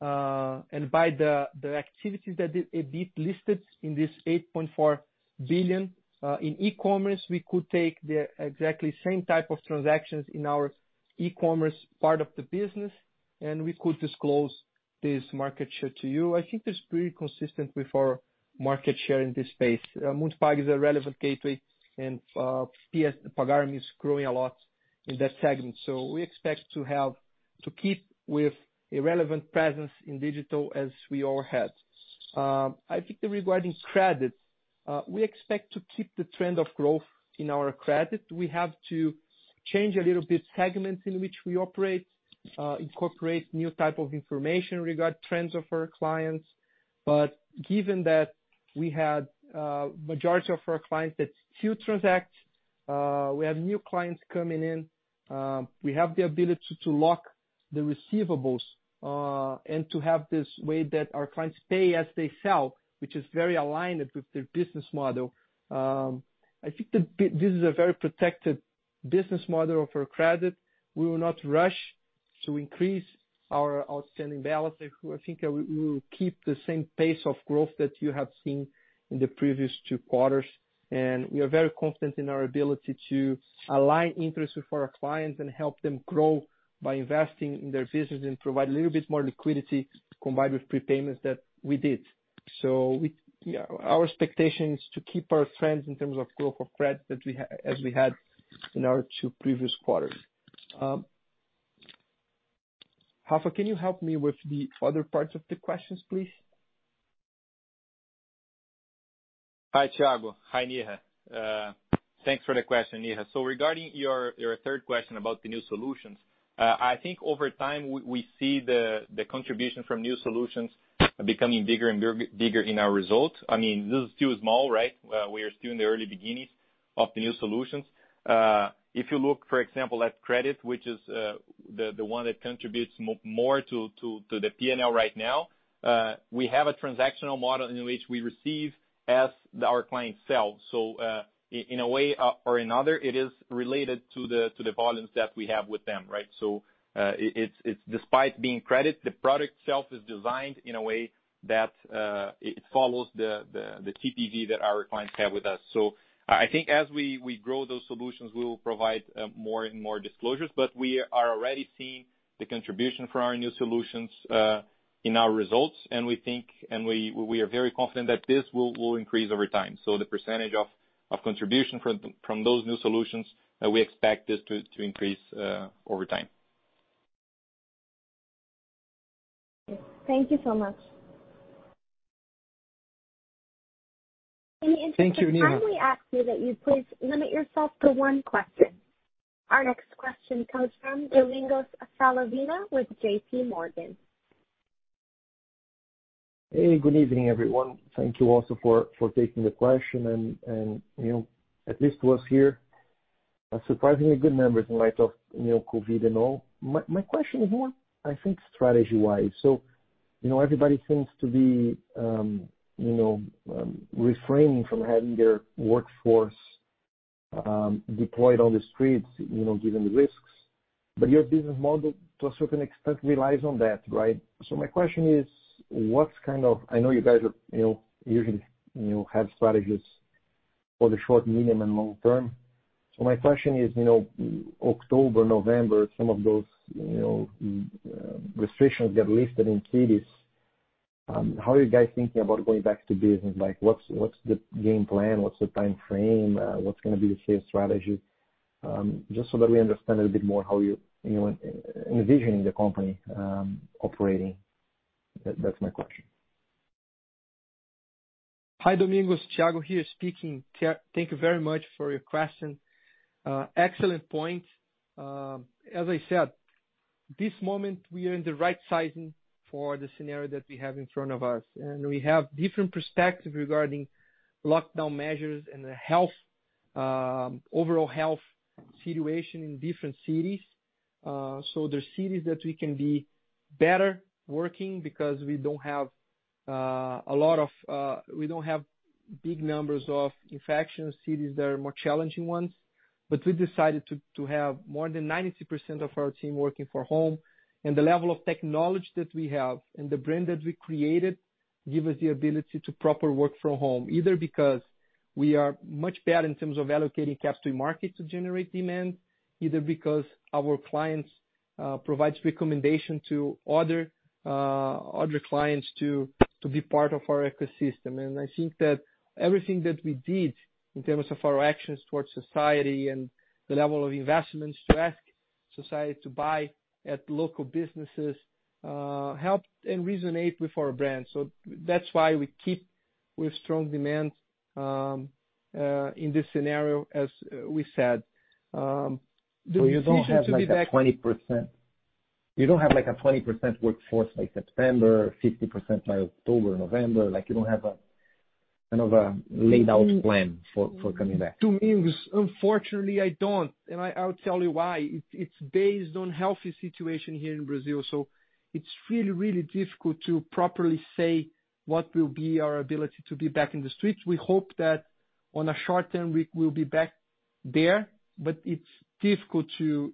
and by the activities that Ebit listed in this 8.4 billion. In e-commerce, we could take the exactly same type of transactions in our e-commerce part of the business, and we could disclose this market share to you. I think that's pretty consistent with our market share in this space. Mundipagg is a relevant gateway and Pagar.me is growing a lot in that segment. We expect to keep with a relevant presence in digital as we all had. I think regarding credit, we expect to keep the trend of growth in our credit. We have to change a little bit segments in which we operate, incorporate new type of information regarding trends of our clients. Given that we had a majority of our clients that still transact, we have new clients coming in, we have the ability to lock the receivables, and to have this way that our clients pay as they sell, which is very aligned with their business model. I think that this is a very protected business model for credit. We will not rush to increase our outstanding balance. I think that we will keep the same pace of growth that you have seen in the previous two quarters. We are very confident in our ability to align interests with our clients and help them grow by investing in their business and provide a little bit more liquidity combined with prepayments that we did. Our expectation is to keep our trends in terms of growth of credit as we had in our two previous quarters. Rafa, can you help me with the other parts of the questions, please? Hi, Thiago. Hi, Neha. Thanks for the question, Neha. Regarding your third question about the new solutions, I think over time, we see the contribution from new solutions becoming bigger and bigger in our results. This is still small, right? We are still in the early beginnings of the new solutions. If you look, for example, at credit, which is the one that contributes more to the P&L right now. We have a transactional model in which we receive as our clients sell. In a way or another, it is related to the volumes that we have with them, right? Despite being credit, the product itself is designed in a way that it follows the TPV that our clients have with us. I think as we grow those solutions, we will provide more and more disclosures. We are already seeing the contribution from our new solutions in our results. We are very confident that this will increase over time. The percentage of contribution from those new solutions, we expect this to increase over time. Thank you so much. Thank you, Neha. Can I kindly ask you that you please limit yourself to one question? Our next question comes from Domingos Falavina with JPMorgan. Hey, good evening, everyone. Thank you also for taking the question and at least to us here, surprisingly good numbers in light of COVID-19 and all. My question is more, I think, strategy-wise. Everybody seems to be refraining from having their workforce deployed on the streets, given the risks. Your business model to a certain extent relies on that, right? My question is, I know you guys usually have strategies for the short, medium, and long term. My question is October, November, some of those restrictions get lifted in cities. How are you guys thinking about going back to business? What's the game plan? What's the time frame? What's gonna be the sales strategy? Just so that we understand a little bit more how you envision the company operating. That's my question. Hi, Domingos. Thiago here speaking. Thank you very much for your question. Excellent point. As I said, this moment we are in the right sizing for the scenario that we have in front of us. We have different perspective regarding lockdown measures and overall health situation in different cities. There are cities that we can be better working because we don't have big numbers of infection, cities that are more challenging ones. We decided to have more than 92% of our team working for home. The level of technology that we have and the brand that we created give us the ability to proper work from home, either because we are much better in terms of allocating CapEx to a market to generate demand, either because our clients provides recommendation to other clients to be part of our ecosystem. I think that everything that we did in terms of our actions towards society and the level of investments to ask society to buy at local businesses, helped and resonate with our brand. That's why we keep with strong demand in this scenario, as we said. The decision to be back- You don't have a 20% workforce by September, 50% by October, November. You don't have a kind of a laid out plan for coming back. Domingos, unfortunately I don't, and I'll tell you why. It's based on healthy situation here in Brazil, so it's really, really difficult to properly say what will be our ability to be back in the streets. We hope that on a short-term we will be back there, but it's difficult to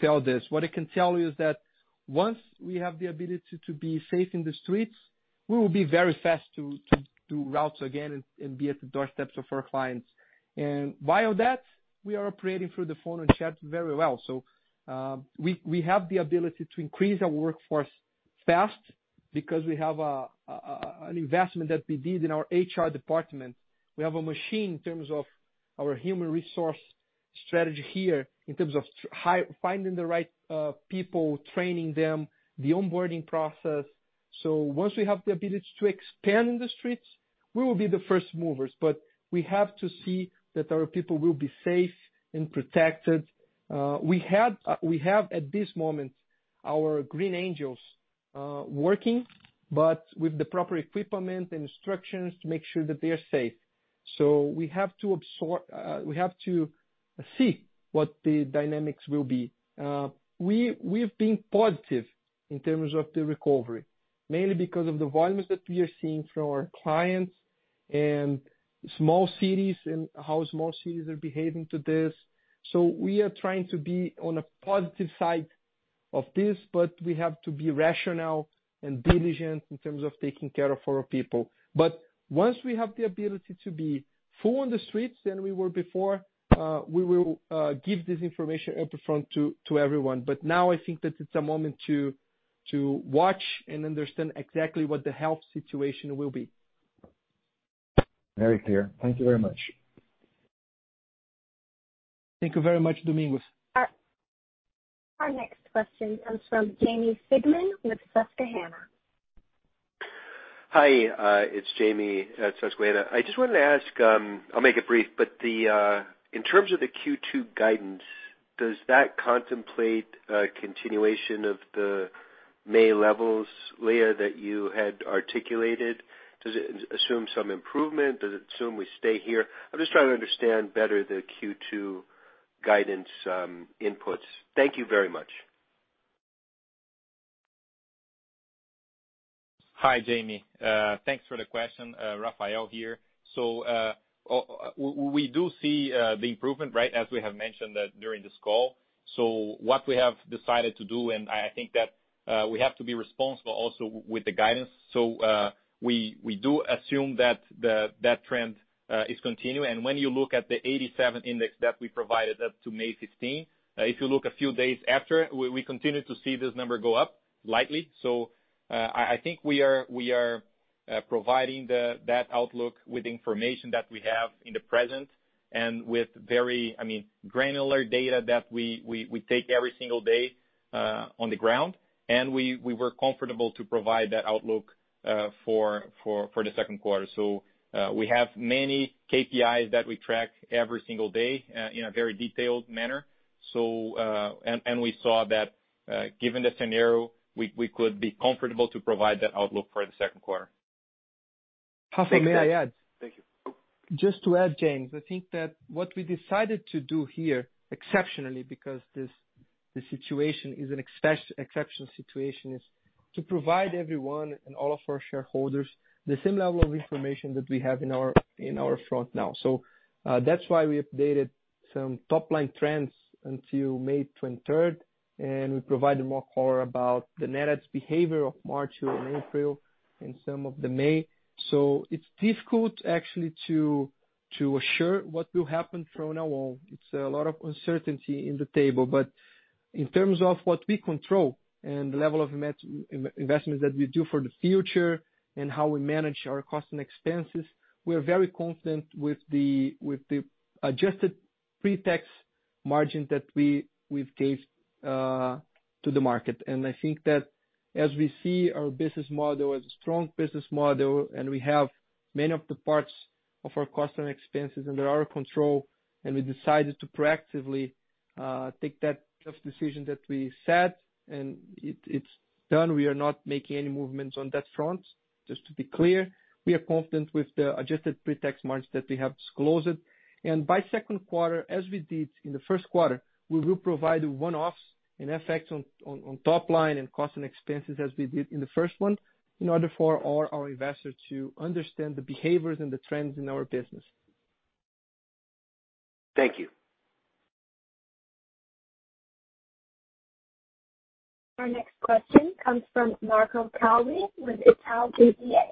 tell this. What I can tell you is that once we have the ability to be safe in the streets, we will be very fast to do routes again and be at the doorsteps of our clients. While that, we are operating through the phone and chat very well. We have the ability to increase our workforce fast because we have an investment that we did in our HR department. We have a machine in terms of our human resource strategy here, in terms of finding the right people, training them, the onboarding process. Once we have the ability to expand in the streets, we will be the first movers. We have to see that our people will be safe and protected. We have, at this moment, our Green Angels working, but with the proper equipment and instructions to make sure that they are safe. We have to see what the dynamics will be. We've been positive in terms of the recovery, mainly because of the volumes that we are seeing from our clients and how small cities are behaving to this. We are trying to be on a positive side of this, but we have to be rational and diligent in terms of taking care of our people. Once we have the ability to be full on the streets than we were before, we will give this information up front to everyone. Now I think that it's a moment to watch and understand exactly what the health situation will be. Very clear. Thank you very much. Thank you very much, Domingos. Our next question comes from Jamie Friedman with Susquehanna. Hi, it's Jamie at Susquehanna. I just wanted to ask, I'll make it brief, but in terms of the Q2 guidance, does that contemplate a continuation of the May levels layer that you had articulated? Does it assume some improvement? Does it assume we stay here? I'm just trying to understand better the Q2 guidance inputs. Thank you very much. Hi, Jamie. Thanks for the question. Rafael here. We do see the improvement, right, as we have mentioned during this call. What we have decided to do, and I think that we have to be responsible also with the guidance. We do assume that trend is continuing. When you look at the 87 index that we provided up to May 15, if you look a few days after, we continue to see this number go up lightly. I think we are providing that outlook with information that we have in the present and with very granular data that we take every single day on the ground. We were comfortable to provide that outlook for the second quarter. We have many KPIs that we track every single day in a very detailed manner. We saw that given the scenario, we could be comfortable to provide that outlook for the second quarter. Rafael, may I add? Thank you. Just to add, Jamie, I think that what we decided to do here, exceptionally, because this situation is an exceptional situation, is to provide everyone and all of our shareholders the same level of information that we have in our front now. That's why we updated some top line trends until May 23rd, and we provided more color about the net adds behavior of March and April and some of the May. It's difficult actually to assure what will happen from now on. It's a lot of uncertainty in the table. In terms of what we control and the level of investments that we do for the future and how we manage our cost and expenses, we are very confident with the adjusted pre-tax margin that we've gave to the market. I think as we see our business model as a strong business model, we have many of the parts of our cost and expenses under our control, and we decided to proactively take that tough decision that we set, and it's done. We are not making any movements on that front, just to be clear. We are confident with the adjusted pre-tax margins that we have disclosed. By second quarter, as we did in the first quarter, we will provide one-offs and effects on top line and cost and expenses as we did in the first one, in order for all our investors to understand the behaviors and the trends in our business. Thank you. Our next question comes from Marco Calvi with Itaú BBA.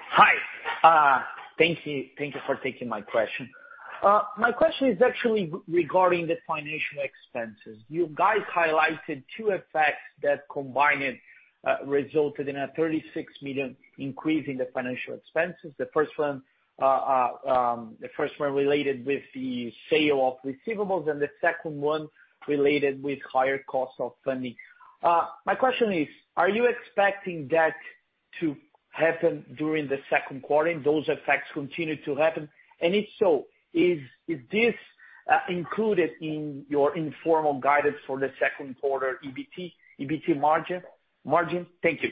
Hi. Thank you for taking my question. My question is actually regarding the financial expenses. You guys highlighted two effects that combined resulted in a 36 million increase in the financial expenses. The first one related with the sale of receivables, and the second one related with higher cost of funding. My question is, are you expecting that to happen during the second quarter, those effects continue to happen? If so, is this included in your informal guidance for the second quarter EBT margin? Thank you.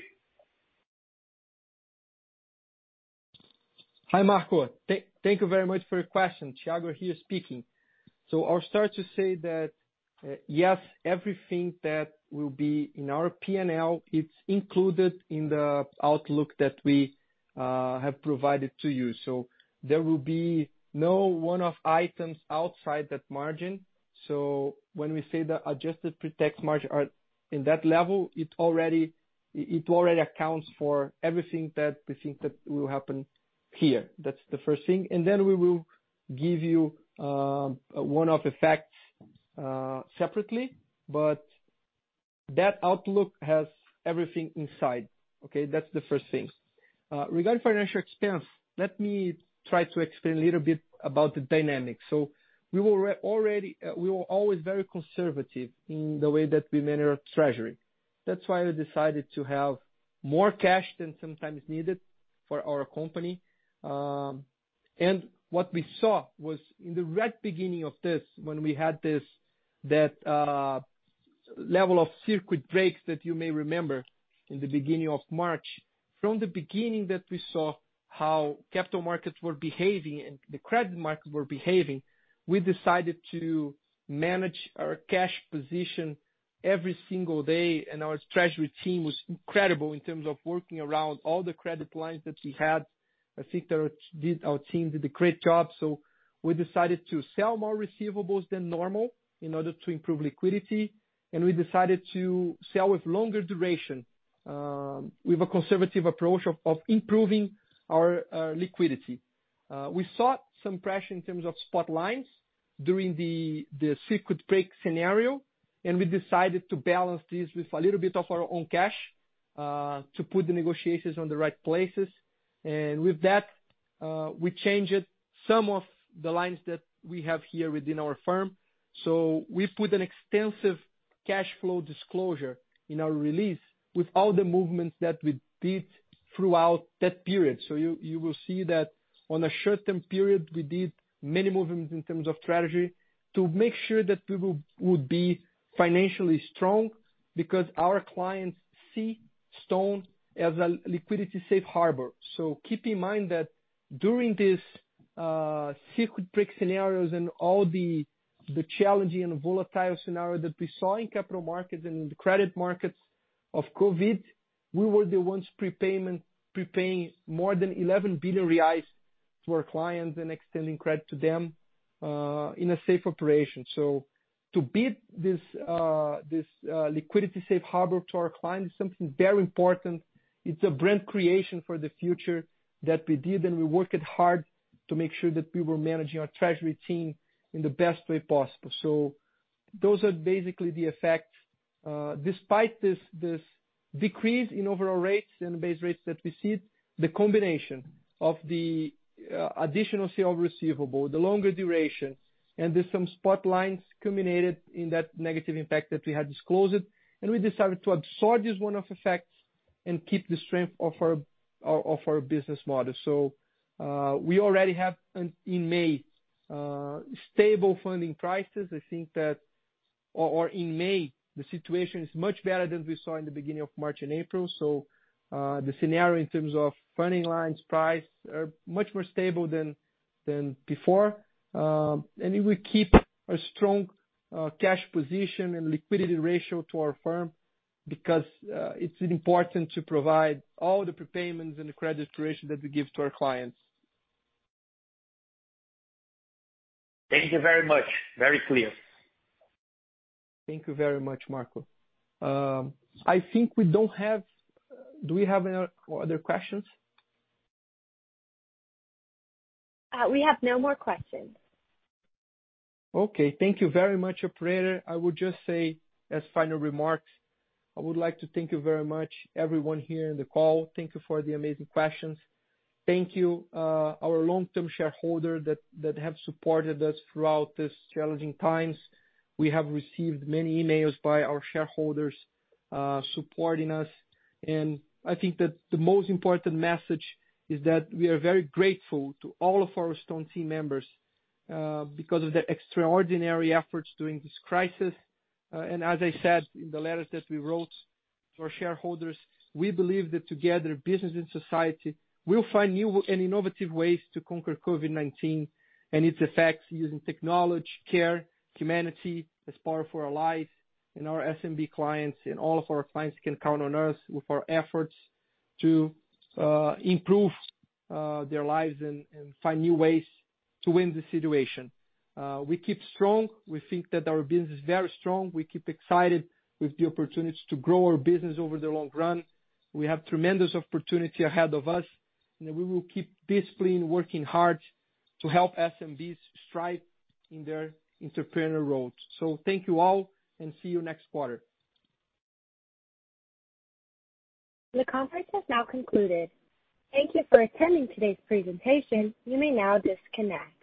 Hi, Marco. Thank you very much for your question. Thiago here speaking. I'll start to say that, yes, everything that will be in our P&L, it's included in the outlook that we have provided to you. There will be no one-off items outside that margin. When we say the adjusted pre-tax margin are in that level, it already accounts for everything that we think that will happen here. That's the first thing. Then we will give you one-off effects separately. That outlook has everything inside. Okay. That's the first thing. Regarding financial expense, let me try to explain a little bit about the dynamics. We were always very conservative in the way that we manage our treasury. That's why we decided to have more cash than sometimes needed for our company. What we saw was in the very beginning of this, when we had that level of circuit breaks that you may remember in the beginning of March, from the beginning that we saw how capital markets were behaving and the credit markets were behaving, we decided to manage our cash position every single day, and our treasury team was incredible in terms of working around all the credit lines that we had. I think our team did a great job. We decided to sell more receivables than normal in order to improve liquidity, and we decided to sell with longer duration. We have a conservative approach of improving our liquidity. We saw some pressure in terms of spot lines during the circuit break scenario, and we decided to balance this with a little bit of our own cash to put the negotiations on the right places. With that, we changed some of the lines that we have here within our firm. We put an extensive cash flow disclosure in our release with all the movements that we did throughout that period. You will see that on a short-term period, we did many movements in terms of strategy to make sure that we would be financially strong because our clients see Stone as a liquidity safe harbor. Keep in mind that during these circuit break scenarios and all the challenging and volatile scenario that we saw in capital markets and the credit markets of COVID, we were the ones prepaying more than 11 billion reais to our clients and extending credit to them in a safe operation. To be this liquidity safe harbor to our clients is something very important. It's a brand creation for the future that we did, we worked hard to make sure that we were managing our treasury team in the best way possible. Those are basically the effects. Despite this decrease in overall rates and base rates that we see, the combination of the additional sale of receivable, the longer duration, and there's some spot lines culminated in that negative impact that we had disclosed, we decided to absorb these one-off effects and keep the strength of our business model. We already have in May stable funding prices. I think that in May the situation is much better than we saw in the beginning of March and April. The scenario in terms of funding lines price are much more stable than before. We keep a strong cash position and liquidity ratio to our firm because it's important to provide all the prepayments and the credit duration that we give to our clients. Thank you very much. Very clear. Thank you very much, Marco. Do we have any other questions? We have no more questions. Okay. Thank you very much, operator. I would just say as final remarks, I would like to thank you very much everyone here in the call. Thank you for the amazing questions. Thank you our long-term shareholder that have supported us throughout these challenging times. We have received many emails by our shareholders supporting us, and I think that the most important message is that we are very grateful to all of our Stone team members because of their extraordinary efforts during this crisis. As I said in the letters that we wrote to our shareholders, we believe that together, business and society will find new and innovative ways to conquer COVID-19 and its effects using technology, care, humanity as power for our life and our SMB clients and all of our clients can count on us with our efforts to improve their lives and find new ways to win the situation. We keep strong. We think that our business is very strong. We keep excited with the opportunities to grow our business over the long run. We have tremendous opportunity ahead of us, and we will keep discipline, working hard to help SMBs thrive in their entrepreneurial roads. Thank you all, and see you next quarter. The conference has now concluded. Thank you for attending today's presentation. You may now disconnect.